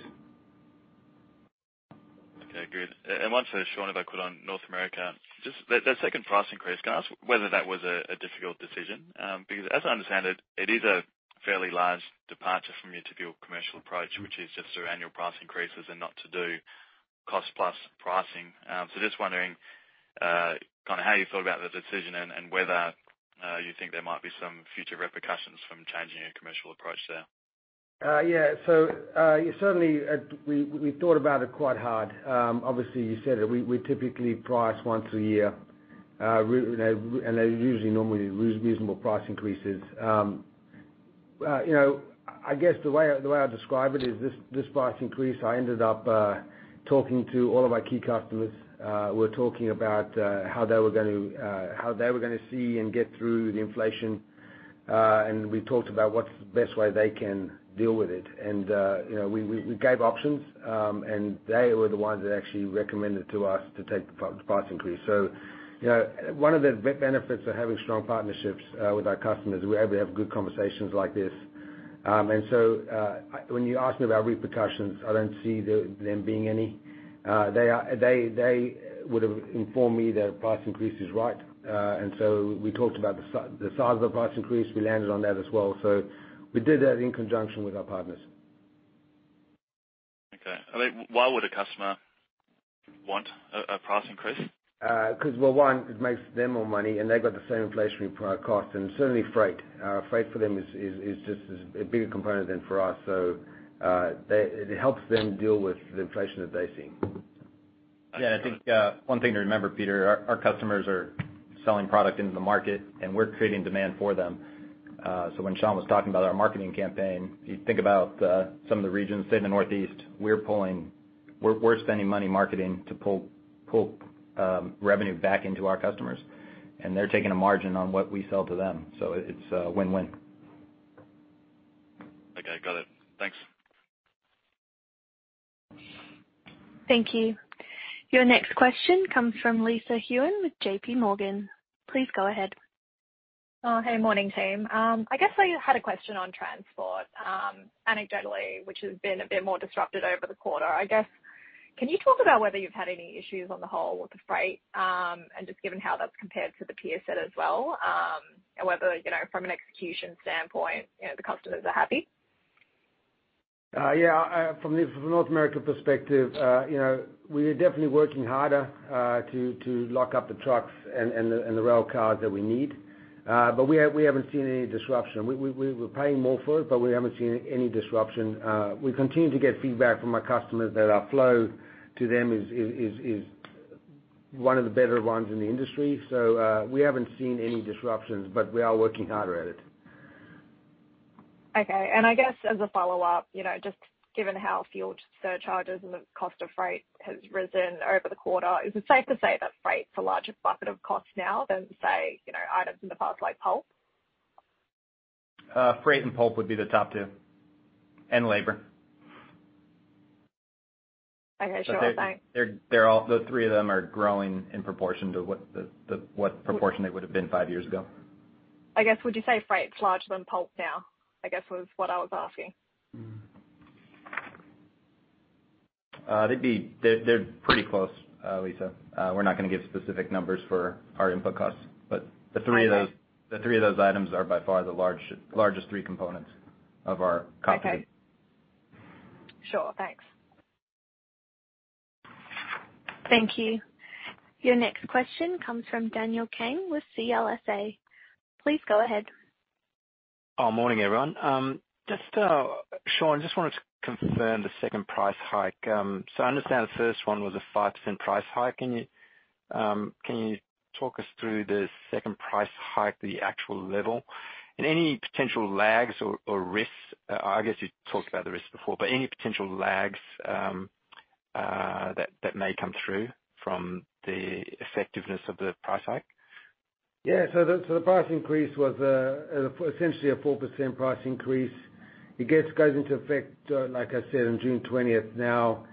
Okay, great. And one for Sean, if I could, on North America. Just that second price increase, can I ask whether that was a difficult decision? Because as I understand it, it is a fairly large departure from your typical commercial approach, which is just through annual price increases and not to do cost-plus pricing. So just wondering, kind of how you thought about the decision and whether you think there might be some future repercussions from changing your commercial approach there. Yeah. So, certainly, we thought about it quite hard. Obviously, you said it, we typically price once a year. And they're usually normally reasonable price increases. You know, I guess the way I, the way I'd describe it is this, this price increase, I ended up talking to all of our key customers. We're talking about how they were gonna see and get through the inflation. And we talked about what's the best way they can deal with it. And, you know, we gave options, and they were the ones that actually recommended to us to take the price increase. So, you know, one of the benefits of having strong partnerships with our customers, we are able to have good conversations like this. And so, when you ask me about repercussions, I don't see them being any. They would have informed me that price increase is right. And so we talked about the size of the price increase. We landed on that as well. So we did that in conjunction with our partners. Okay. I mean, why would a customer want a price increase? Because, well, one, it makes them more money, and they've got the same inflationary price cost, and certainly freight. Freight for them is a bigger component than for us. It helps them deal with the inflation that they're seeing. Yeah, I think one thing to remember, Peter, our customers are selling product into the market, and we're creating demand for them. So when Sean was talking about our marketing campaign, you think about some of the regions, say, in the Northeast, we're spending money marketing to pull revenue back into our customers, and they're taking a margin on what we sell to them. So it's win-win. Okay, got it. Thanks. Thank you. Your next question comes from Lisa Huynh with J.P. Morgan. Please go ahead. Hey, morning, team. I guess I had a question on transport, anecdotally, which has been a bit more disrupted over the quarter. I guess, can you talk about whether you've had any issues on the whole with the freight? And just given how that's compared to the peer set as well, and whether, you know, from an execution standpoint, you know, the customers are happy? Yeah, from the North America perspective, you know, we are definitely working harder to lock up the trucks and the rail cars that we need. But we haven't seen any disruption. We're paying more for it, but we haven't seen any disruption. We continue to get feedback from our customers that our flow to them is one of the better ones in the industry. So, we haven't seen any disruptions, but we are working harder at it. Okay. And I guess as a follow-up, you know, just given how fuel surcharges and the cost of freight has risen over the quarter, is it safe to say that freight is a larger bucket of costs now than, say, you know, items in the past, like pulp? Freight and pulp would be the top two, and labor. Okay, sure. Thanks. They're all those three of them are growing in proportion to what proportion they would have been five years ago. I guess, would you say freight's larger than pulp now? I guess was what I was asking. They're pretty close, Lisa. We're not gonna give specific numbers for our input costs, but the three of those- Okay. The three of those items are by far the largest three components of our company. Okay. Sure. Thanks. Thank you. Your next question comes from Daniel Kang with CLSA. Please go ahead. Morning, everyone. Just, Sean, just wanted to confirm the second price hike. So I understand the first one was a 5% price hike. Can you talk us through the second price hike, the actual level? And any potential lags or risks, I guess you talked about the risks before, but any potential lags that may come through from the effectiveness of the price hike? Yeah, so the price increase was essentially a 4% price increase. It goes into effect, like I said, on June 20. Now,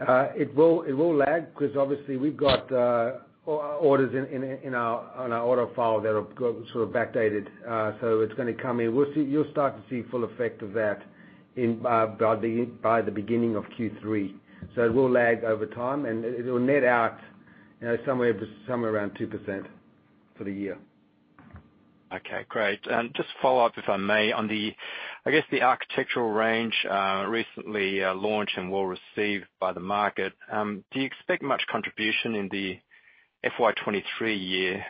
it will lag, because obviously we've got orders in our order file that have got sort of backdated. So it's gonna come in. You'll start to see full effect of that by the beginning of Q3. So it will lag over time, and it will net out, you know, somewhere around 2% for the year. Okay, great. And just to follow up, if I may, on the, I guess, the architectural range, recently launched and well received by the market. Do you expect much contribution in the FY 2023 year?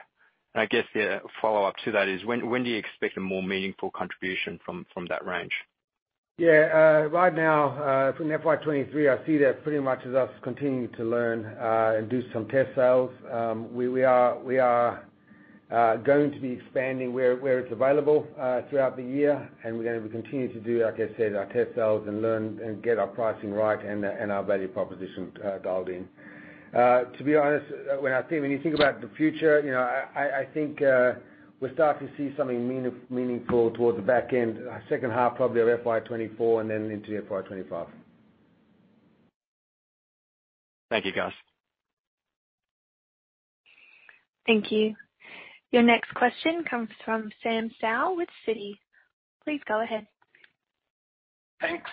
And I guess the follow-up to that is when do you expect a more meaningful contribution from that range? Yeah, right now, from FY 2023, I see that pretty much as us continuing to learn and do some test sales. We are going to be expanding where it's available through the year, and we're going to continue to do, like I said, our test sales and learn and get our pricing right and our value proposition dialed in. To be honest, when I think- when you think about the future, you know, I think we're starting to see something meaningful towards the back end, second half, probably of FY 2024 and then into FY 2025. Thank you, guys. Thank you. Your next question comes from Sam Seow with Citi. Please go ahead. Thanks.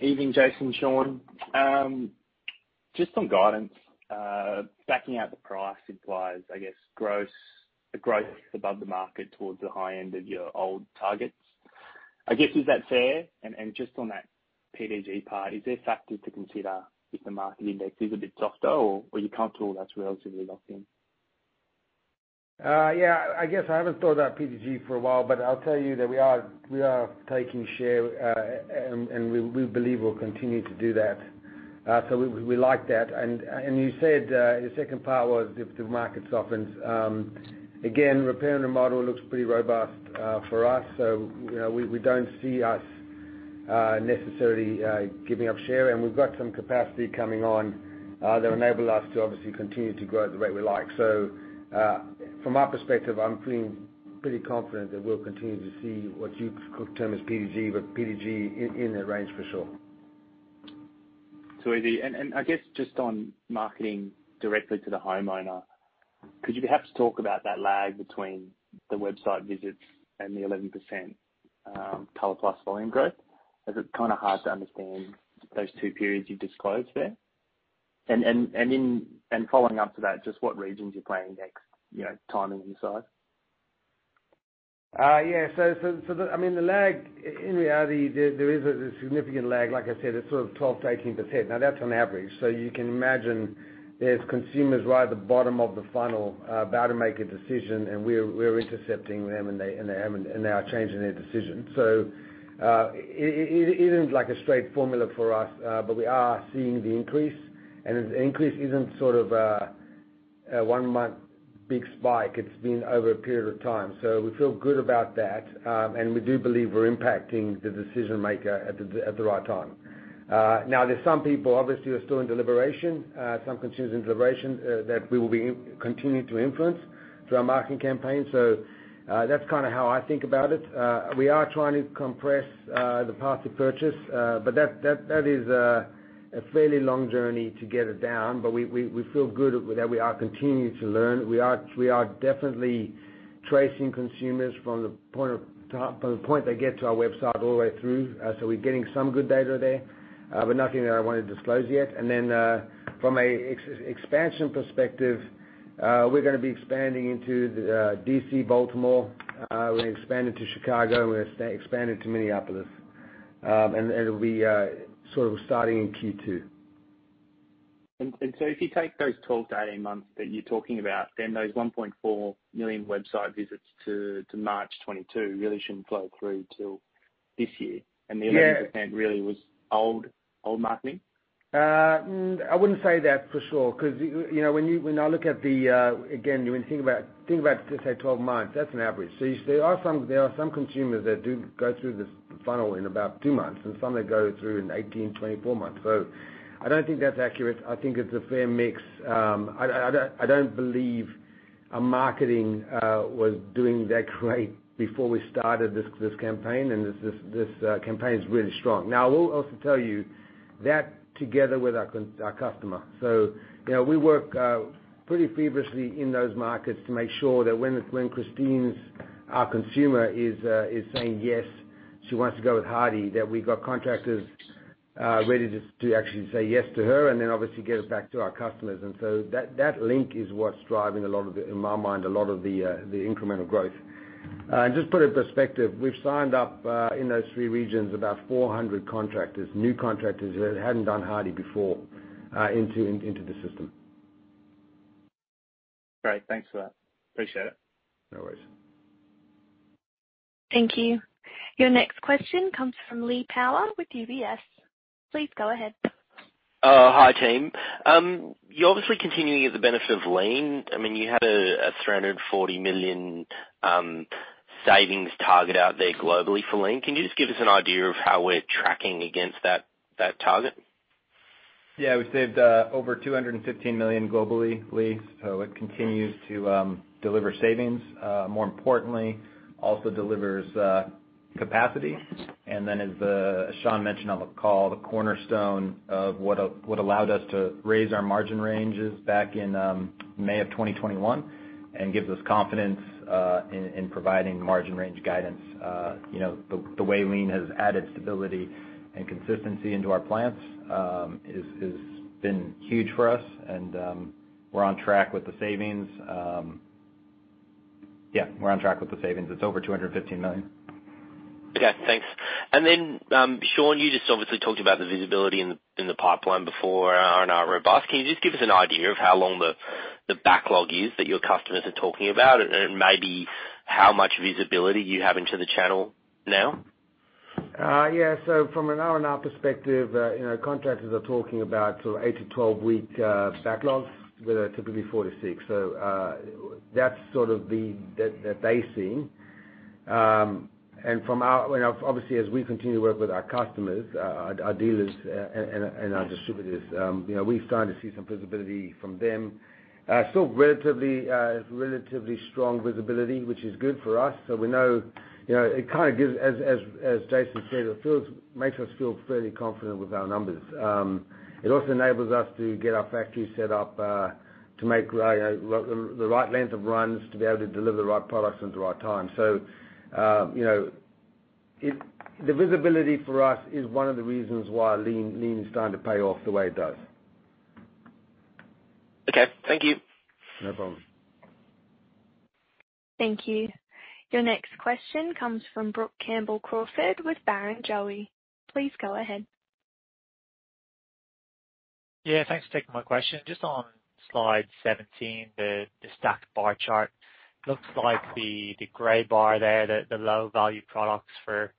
Evening, Jason, Sean. Just on guidance, backing out the price implies, I guess, gross, a growth above the market towards the high end of your old targets. I guess, is that fair? And just on that PDG part, is there factors to consider if the market index is a bit softer or you can't tell that's relatively locked in? Yeah, I guess I haven't thought about PDG for a while, but I'll tell you that we are taking share, and we believe we'll continue to do that. So we like that. And you said your second part was if the market softens. Again, repair and remodel looks pretty robust for us, so you know, we don't see us necessarily giving up share, and we've got some capacity coming on that enable us to obviously continue to grow at the rate we like. So from my perspective, I'm feeling pretty confident that we'll continue to see what you could term as PDG, but PDG in that range for sure. And I guess just on marketing directly to the homeowner, could you perhaps talk about that lag between the website visits and the 11% ColorPlus volume growth? As it's kind of hard to understand those two periods you've disclosed there. And following up to that, just what regions you're planning next, you know, timing aside? Yeah. So the... I mean, the lag, in reality, there is a significant lag. Like I said, it's sort of 12%-18%. Now, that's on average. So you can imagine there's consumers right at the bottom of the funnel, about to make a decision, and we're intercepting them, and they are changing their decision. So it isn't like a straight formula for us, but we are seeing the increase. And the increase isn't sort of a one-month big spike. It's been over a period of time. We feel good about that, and we do believe we're impacting the decision maker at the right time. Now, there's some people obviously who are still in deliberation, some consumers in deliberation that we will be continuing to influence through our marketing campaign. So, that's kind of how I think about it. We are trying to compress the path to purchase, but that is a fairly long journey to get it down. But we feel good that we are continuing to learn. We are definitely tracing consumers from the point of top-- from the point they get to our website all the way through. So we're getting some good data there, but nothing that I want to disclose yet. Then, from an expansion perspective, we're going to be expanding into the DC, Baltimore, we're expanding to Chicago, and we're expanding to Minneapolis. We sort of starting in Q2. If you take those 12 to 18 months that you're talking about, then those 1.4 million website visits to March 2022 really shouldn't flow through till this year. Yeah. The 11% really was old, old marketing? I wouldn't say that for sure, because you know, when I look at the, again, when you think about just say twelve months, that's an average. So there are some consumers that do go through this funnel in about two months and some that go through in 18, 24 months. So I don't think that's accurate. I think it's a fair mix. I don't believe our marketing was doing that great before we started this campaign, and this campaign is really strong. Now, I will also tell you that together with our customer. You know, we work pretty feverishly in those markets to make sure that when Christine, our consumer, is saying yes, she wants to go with Hardie, that we've got contractors ready to actually say yes to her and then obviously get it back to our customers. And so that link is what's driving a lot of the, in my mind, the incremental growth, and just put in perspective, we've signed up in those three regions about 400 contractors, new contractors, that hadn't done Hardie before, into the system. Great. Thanks for that. Appreciate it. No worries. Thank you. Your next question comes from Lee Power with UBS. Please go ahead. Hi, team. You're obviously continuing at the benefit of Lean. I mean, you had a $340 million savings target out there globally for Lean. Can you just give us an idea of how we're tracking against that target? Yeah, we saved over $215 million globally, Lee. So it continues to deliver savings. More importantly, also delivers capacity. And then, as Sean mentioned on the call, the cornerstone of what allowed us to raise our margin ranges back in May of 2021 and gives us confidence in providing margin range guidance. You know, the way Lean has added stability and consistency into our plans has been huge for us, and we're on track with the savings. Yeah, we're on track with the savings. It's over $215 million. Okay, thanks. And then, Sean, you just obviously talked about the visibility in the pipeline before R&R robust. Can you just give us an idea of how long the backlog is that your customers are talking about, and maybe how much visibility you have into the channel now? From an R&R perspective, you know, contractors are talking about sort of eight to 12-week backlogs, where they're typically four to six. That's sort of what they're seeing. Obviously, as we continue to work with our customers, our dealers and our distributors, you know, we're starting to see some visibility from them. Still relatively strong visibility, which is good for us. We know, you know, it kind of gives us, as Jason said, makes us feel fairly confident with our numbers. It also enables us to get our factory set up to make the right length of runs, to be able to deliver the right products on the right time. You know, the visibility for us is one of the reasons why lean is starting to pay off the way it does. Okay, thank you. No problem. Thank you. Your next question comes from Brook Campbell-Crawford with Barrenjoey. Please go ahead. Yeah, thanks for taking my question. Just on slide 17, the stacked bar chart. Looks like the gray bar there, the low value products for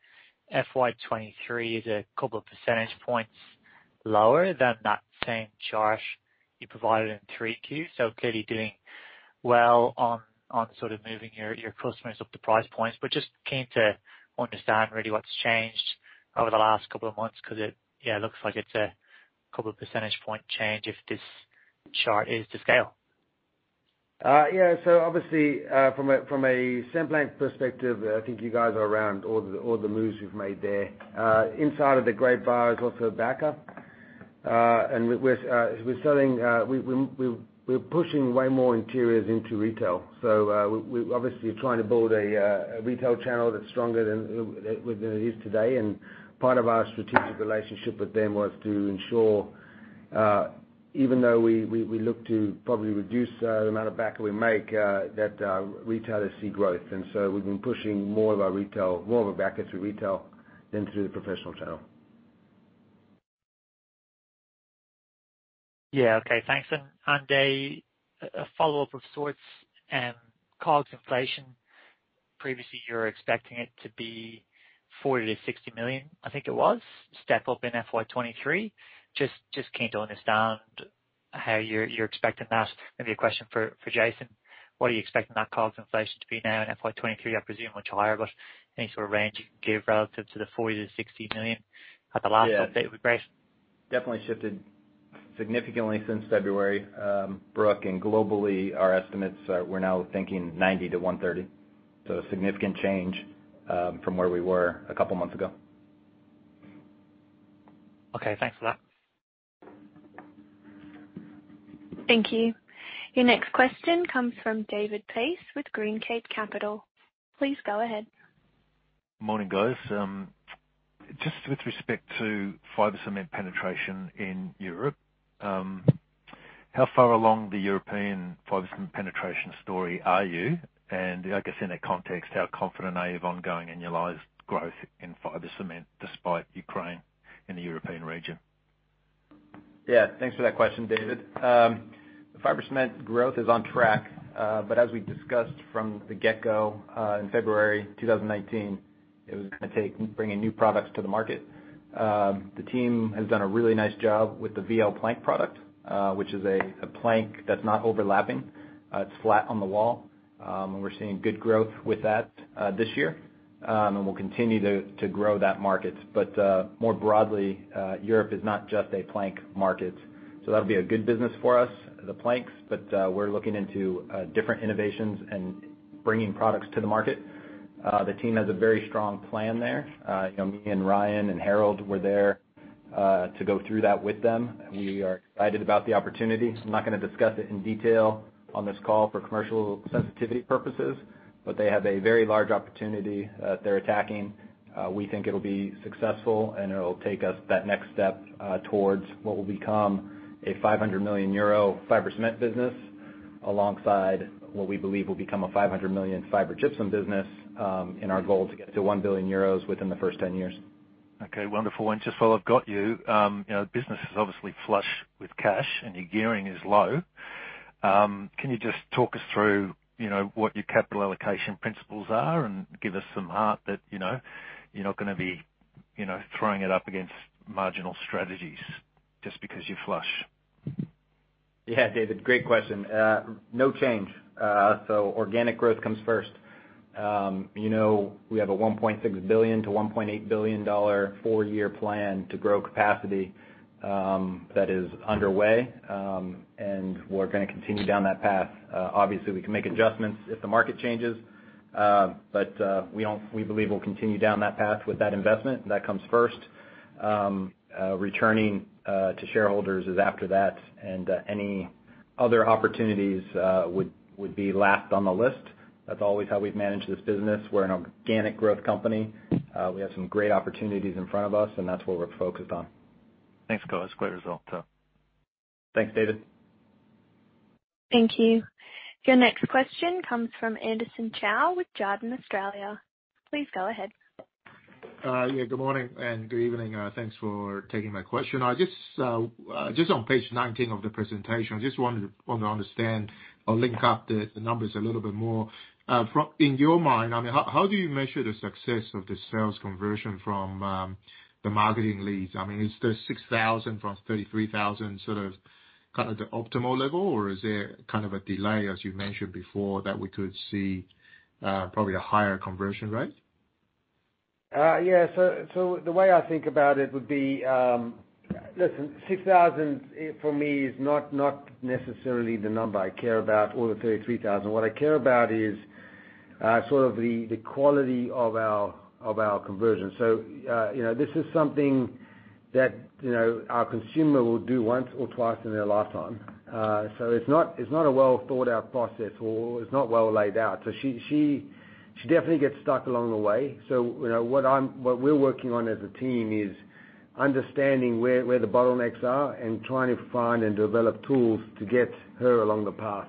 FY 2023 is a couple of percentage points lower than that same chart you provided in 3Q. So clearly doing well on sort of moving your customers up the price points, but just keen to understand really what's changed over the last couple of months, because it, yeah, looks like it's a couple of percentage point change if this chart is to scale. Yeah. So obviously, from a same-brand perspective, I think you guys are around all the moves we've made there. Inside of the gray bar is also Backer. And we're selling, we're pushing way more interiors into retail. So, we obviously are trying to build a retail channel that's stronger than it is today. And part of our strategic relationship with them was to ensure, even though we look to probably reduce the amount of Backer we make, that retailers see growth. And so we've been pushing more of our retail, more of our backends through retail than through the professional channel. Yeah, okay. Thanks. And a follow-up of sorts and COGS inflation. Previously, you were expecting it to be $40 million-$60 million, I think it was, step up in FY 2023. Just keen to understand how you're expecting that. Maybe a question for Jason. What are you expecting that COGS inflation to be now in FY 2023? I presume much higher, but any sort of range you can give relative to the $40 million-$60 million at the last update we raised? Definitely shifted significantly since February, Brooke, and globally, our estimates are we're now thinking 90-130. So a significant change, from where we were a couple of months ago. Okay, thanks for that. Thank you. Your next question comes from David Pace with GreenCape Capital. Please go ahead. Morning, guys. Just with respect to fiber cement penetration in Europe, how far along the European fiber cement penetration story are you? And I guess in that context, how confident are you of ongoing annualized growth in fiber cement despite Ukraine in the European region? Yeah, thanks for that question, David. The fiber cement growth is on track, but as we discussed from the get-go, in February 2019, it was gonna take bringing new products to the market. The team has done a really nice job with the VL Plank product, which is a plank that's not overlapping. It's flat on the wall, and we're seeing good growth with that this year, and we'll continue to grow that market. But more broadly, Europe is not just a plank market, so that'll be a good business for us, the planks, but we're looking into different innovations and bringing products to the market. The team has a very strong plan there. You know, me and Ryan and Harold were there to go through that with them. We are excited about the opportunity. I'm not gonna discuss it in detail on this call for commercial sensitivity purposes, but they have a very large opportunity that they're attacking. We think it'll be successful, and it'll take us that next step, towards what will become a 500 million euro fiber cement business, alongside what we believe will become a 500 million fiber gypsum business, in our goal to get to 1 billion euros within the first 10 years. Okay, wonderful. And just while I've got you, you know, the business is obviously flush with cash, and your gearing is low. Can you just talk us through, you know, what your capital allocation principles are and give us some heart that, you know, you're not gonna be, you know, throwing it up against marginal strategies just because you're flush? Yeah, David, great question. No change. So organic growth comes first. You know, we have a $1.6 billion-$1.8 billion four-year plan to grow capacity, that is underway, and we're gonna continue down that path. Obviously, we can make adjustments if the market changes, but we don't, we believe we'll continue down that path with that investment, that comes first. Returning to shareholders is after that, and any other opportunities would be last on the list.... That's always how we've managed this business. We're an organic growth company. We have some great opportunities in front of us, and that's what we're focused on. Thanks, Joel. That's a great result, so. Thanks, David. Thank you. Your next question comes from Anderson Chow with Jarden, Australia. Please go ahead. Yeah, good morning and good evening. Thanks for taking my question. I just on page nineteen of the presentation, I just wanted to understand or link up the numbers a little bit more. From, in your mind, I mean, how do you measure the success of the sales conversion from the marketing leads? I mean, is the 6,000 from 33,000 sort of, kind of, the optimal level, or is there kind of a delay, as you mentioned before, that we could see probably a higher conversion rate? Yeah, so the way I think about it would be, listen, 6,000 for me is not necessarily the number I care about or the 33,000. What I care about is sort of the quality of our conversion. So you know, this is something that, you know, our consumer will do once or twice in their lifetime. So it's not a well-thought-out process, or it's not well laid out. So she definitely gets stuck along the way. So you know, what we're working on as a team is understanding where the bottlenecks are and trying to find and develop tools to get her along the path.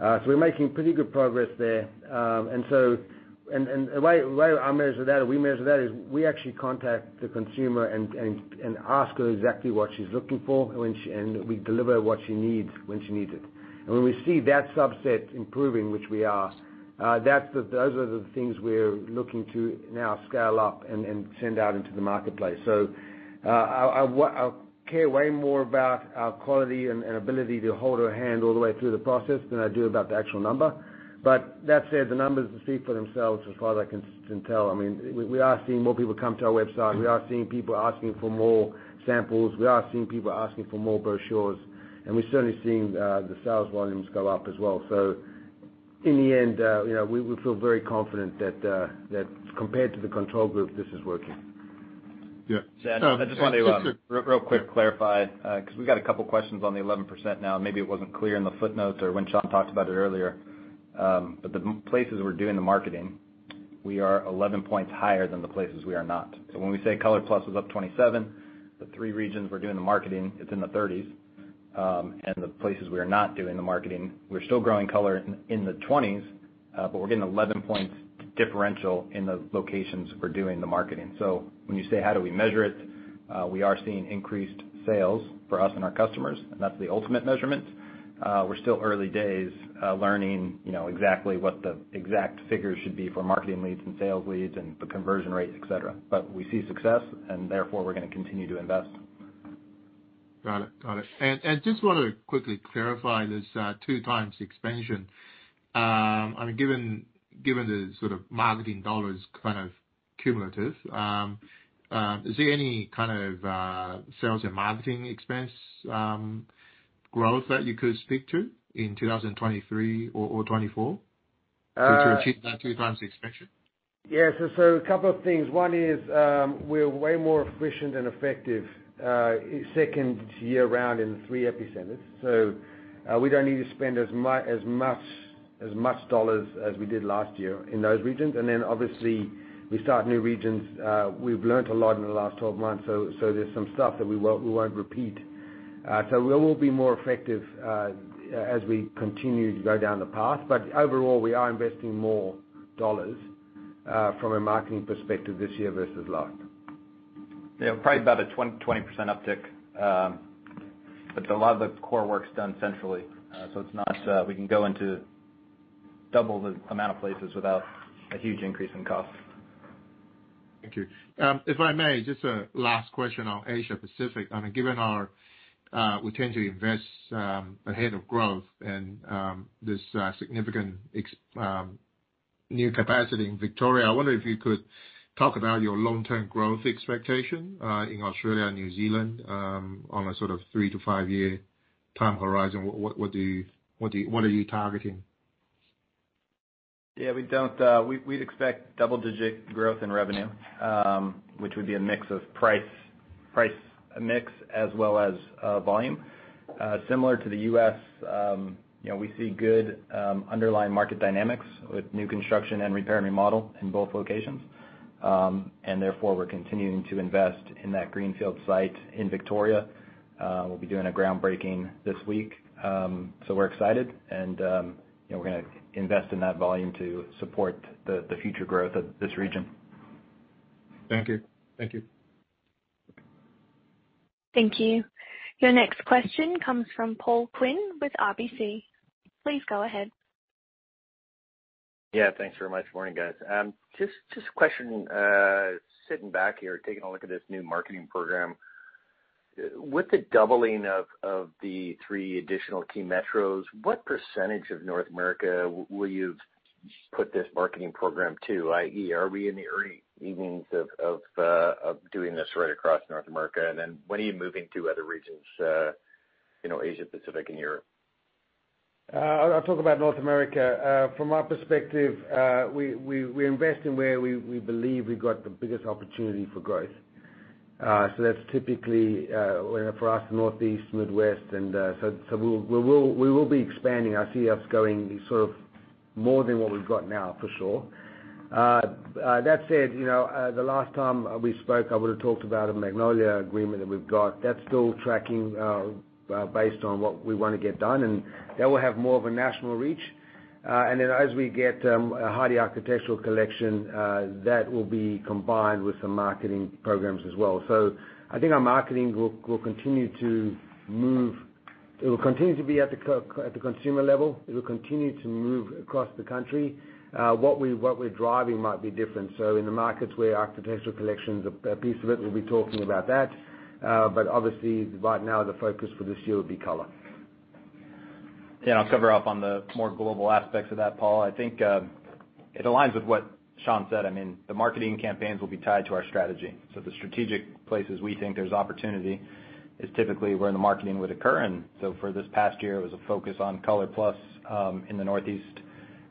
So we're making pretty good progress there. The way I measure that, or we measure that, is we actually contact the consumer and ask her exactly what she's looking for, and we deliver what she needs, when she needs it. When we see that subset improving, which we are, those are the things we're looking to now scale up and send out into the marketplace. I care way more about our quality and ability to hold her hand all the way through the process than I do about the actual number. That said, the numbers speak for themselves as far as I can tell. I mean, we are seeing more people come to our website. We are seeing people asking for more samples. We are seeing people asking for more brochures, and we're certainly seeing the sales volumes go up as well. So in the end, you know, we feel very confident that compared to the control group, this is working. Yeah. So I just wanted to really quick clarify because we got a couple of questions on the 11% now. Maybe it wasn't clear in the footnotes or when Sean talked about it earlier. But the places we're doing the marketing, we are 11 points higher than the places we are not. So when we say ColorPlus was up 27%, the three regions we're doing the marketing, it's in the 30s. And the places we are not doing the marketing, we're still growing ColorPlus in the 20s, but we're getting 11 points differential in the locations we're doing the marketing. So when you say, how do we measure it? We are seeing increased sales for us and our customers, and that's the ultimate measurement. We're still early days, learning, you know, exactly what the exact figures should be for marketing leads and sales leads and the conversion rate, et cetera. But we see success, and therefore, we're going to continue to invest. Got it. Got it. And just wanted to quickly clarify this two times expansion. I mean, given the sort of marketing dollars kind of cumulative, is there any kind of sales and marketing expense growth that you could speak to in 2023 or 2024, to achieve that two times expansion? Yeah, so a couple of things. One is, we're way more efficient and effective second year round in the three epicenters. So, we don't need to spend as much dollars as we did last year in those regions. And then obviously, we start new regions. We've learned a lot in the last twelve months, so there's some stuff that we won't repeat. So we will be more effective as we continue to go down the path. But overall, we are investing more dollars from a marketing perspective this year versus last. Yeah, probably about a 20% uptick, but a lot of the core work's done centrally. So it's not, we can go into double the amount of places without a huge increase in cost. Thank you. If I may, just a last question on Asia Pacific. I mean, given our, we tend to invest ahead of growth and this significant new capacity in Victoria. I wonder if you could talk about your long-term growth expectation in Australia and New Zealand on a sort of three-to-five-year time horizon. What are you targeting? Yeah, we don't... We, we'd expect double-digit growth in revenue, which would be a mix of price, price mix as well as volume. Similar to the U.S., you know, we see good underlying market dynamics with new construction and repair and remodel in both locations, and therefore, we're continuing to invest in that greenfield site in Victoria. We'll be doing a groundbreaking this week, so we're excited, and you know, we're going to invest in that volume to support the future growth of this region. Thank you. Thank you. Thank you. Your next question comes from Paul Quinn with RBC. Please go ahead. Yeah, thanks very much. Morning, guys. Just a question, sitting back here, taking a look at this new marketing program. With the doubling of the three additional key metros, what percentage of North America will you put this marketing program to? I.e., are we in the early innings of doing this right across North America? And then, when are you moving to other regions, you know, Asia, Pacific, and Europe? I'll talk about North America. From our perspective, we invest in where we believe we've got the biggest opportunity for growth. So that's typically, for us, Northeast, Midwest, and so we'll be expanding our CF going sort of more than what we've got now, for sure. That said, you know, the last time we spoke, I would have talked about a Magnolia agreement that we've got. That's still tracking based on what we wanna get done, and that will have more of a national reach. And then as we get a Hardie Architectural Collection, that will be combined with some marketing programs as well. So I think our marketing will continue to move. It will continue to be at the consumer level. It will continue to move across the country. What we're driving might be different, so in the markets where architectural collections are a piece of it, we'll be talking about that, but obviously, right now, the focus for this year will be color. Yeah, I'll cover off on the more global aspects of that, Paul. I think it aligns with what Sean said. I mean, the marketing campaigns will be tied to our strategy. So the strategic places we think there's opportunity is typically where the marketing would occur, and so for this past year, it was a focus on ColorPlus in the Northeast.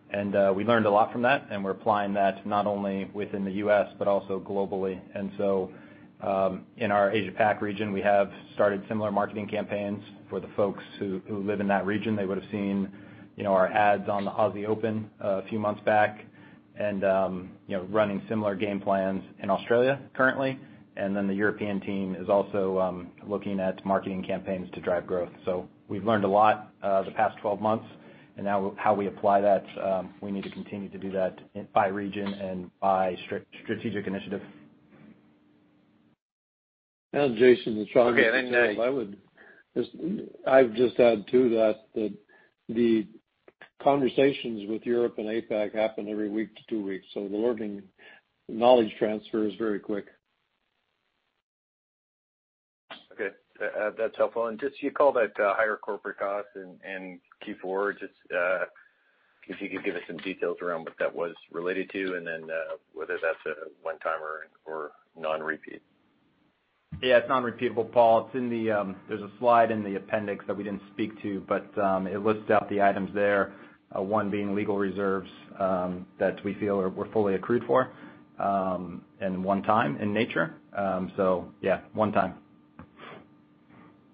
And we learned a lot from that, and we're applying that not only within the U.S. but also globally. And so in our Asia Pac region, we have started similar marketing campaigns for the folks who live in that region. They would have seen, you know, our ads on the Aussie Open a few months back, and you know, running similar game plans in Australia currently, and then the European team is also looking at marketing campaigns to drive growth. So we've learned a lot the past twelve months, and now how we apply that, we need to continue to do that in by region and by strategic initiative. Jason, Sean, I'd just add to that, that the conversations with Europe and APAC happen every week to two weeks, so the learning, knowledge transfer is very quick. Okay, that's helpful. And just you called out higher corporate costs and Q4, just if you could give us some details around what that was related to, and then whether that's a one-time or non-repeat. Yeah, it's non-repeatable, Paul. It's in the... There's a slide in the appendix that we didn't speak to, but it lists out the items there, one being legal reserves that we feel are, were fully accrued for, and one time in nature. So yeah, one time.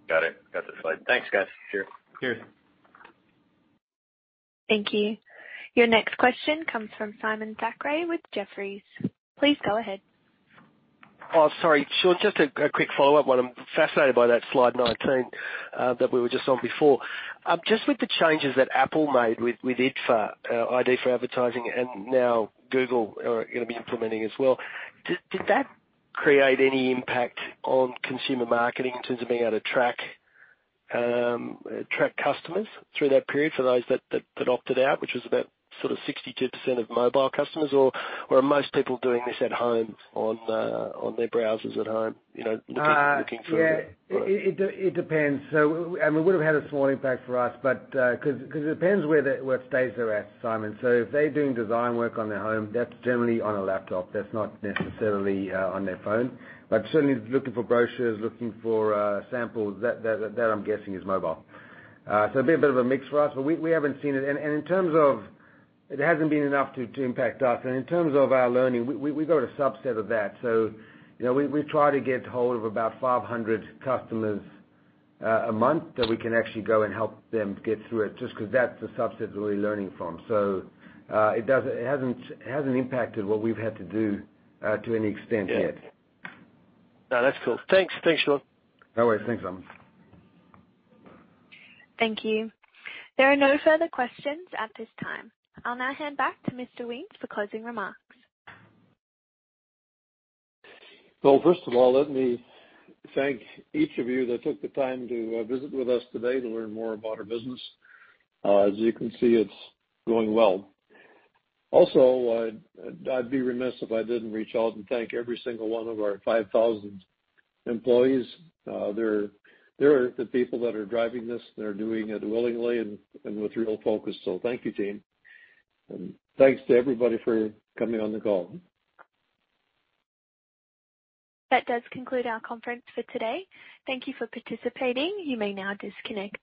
Got it. Got the slide. Thanks, guys. Sure. Cheers. Thank you. Your next question comes from Simon Thackray with Jefferies. Please go ahead. Oh, sorry, Sean. Just a quick follow-up. What I'm fascinated by that slide 19, that we were just on before. Just with the changes that Apple made with IDFA, ID for advertising, and now Google are going to be implementing as well, did that create any impact on consumer marketing in terms of being able to track customers through that period for those that opted out, which was about sort of 62% of mobile customers? Or are most people doing this at home on their browsers at home, you know, looking through? Yeah, it depends. So and we would have had a small impact for us, but 'cause it depends what stage they're at, Simon. So if they're doing design work on their home, that's generally on a laptop. That's not necessarily on their phone. But certainly looking for brochures, looking for samples, that I'm guessing is mobile. So a bit of a mix for us, but we haven't seen it. And in terms of. It hasn't been enough to impact us. And in terms of our learning, we've got a subset of that. You know, we try to get hold of about 500 customers a month that we can actually go and help them get through it, just because that's the subset that we're learning from. It doesn't, it hasn't impacted what we've had to do to any extent yet. Yeah. No, that's cool. Thanks, thanks, Sean. No worries. Thanks, Simon. Thank you. There are no further questions at this time. I'll now hand back to Mr. Wiens for closing remarks. First of all, let me thank each of you that took the time to visit with us today to learn more about our business. As you can see, it's going well. Also, I'd be remiss if I didn't reach out and thank every single one of our 5,000 employees. They're the people that are driving this, and they're doing it willingly and with real focus. Thank you, team, and thanks to everybody for coming on the call. That does conclude our conference for today. Thank you for participating. You may now disconnect.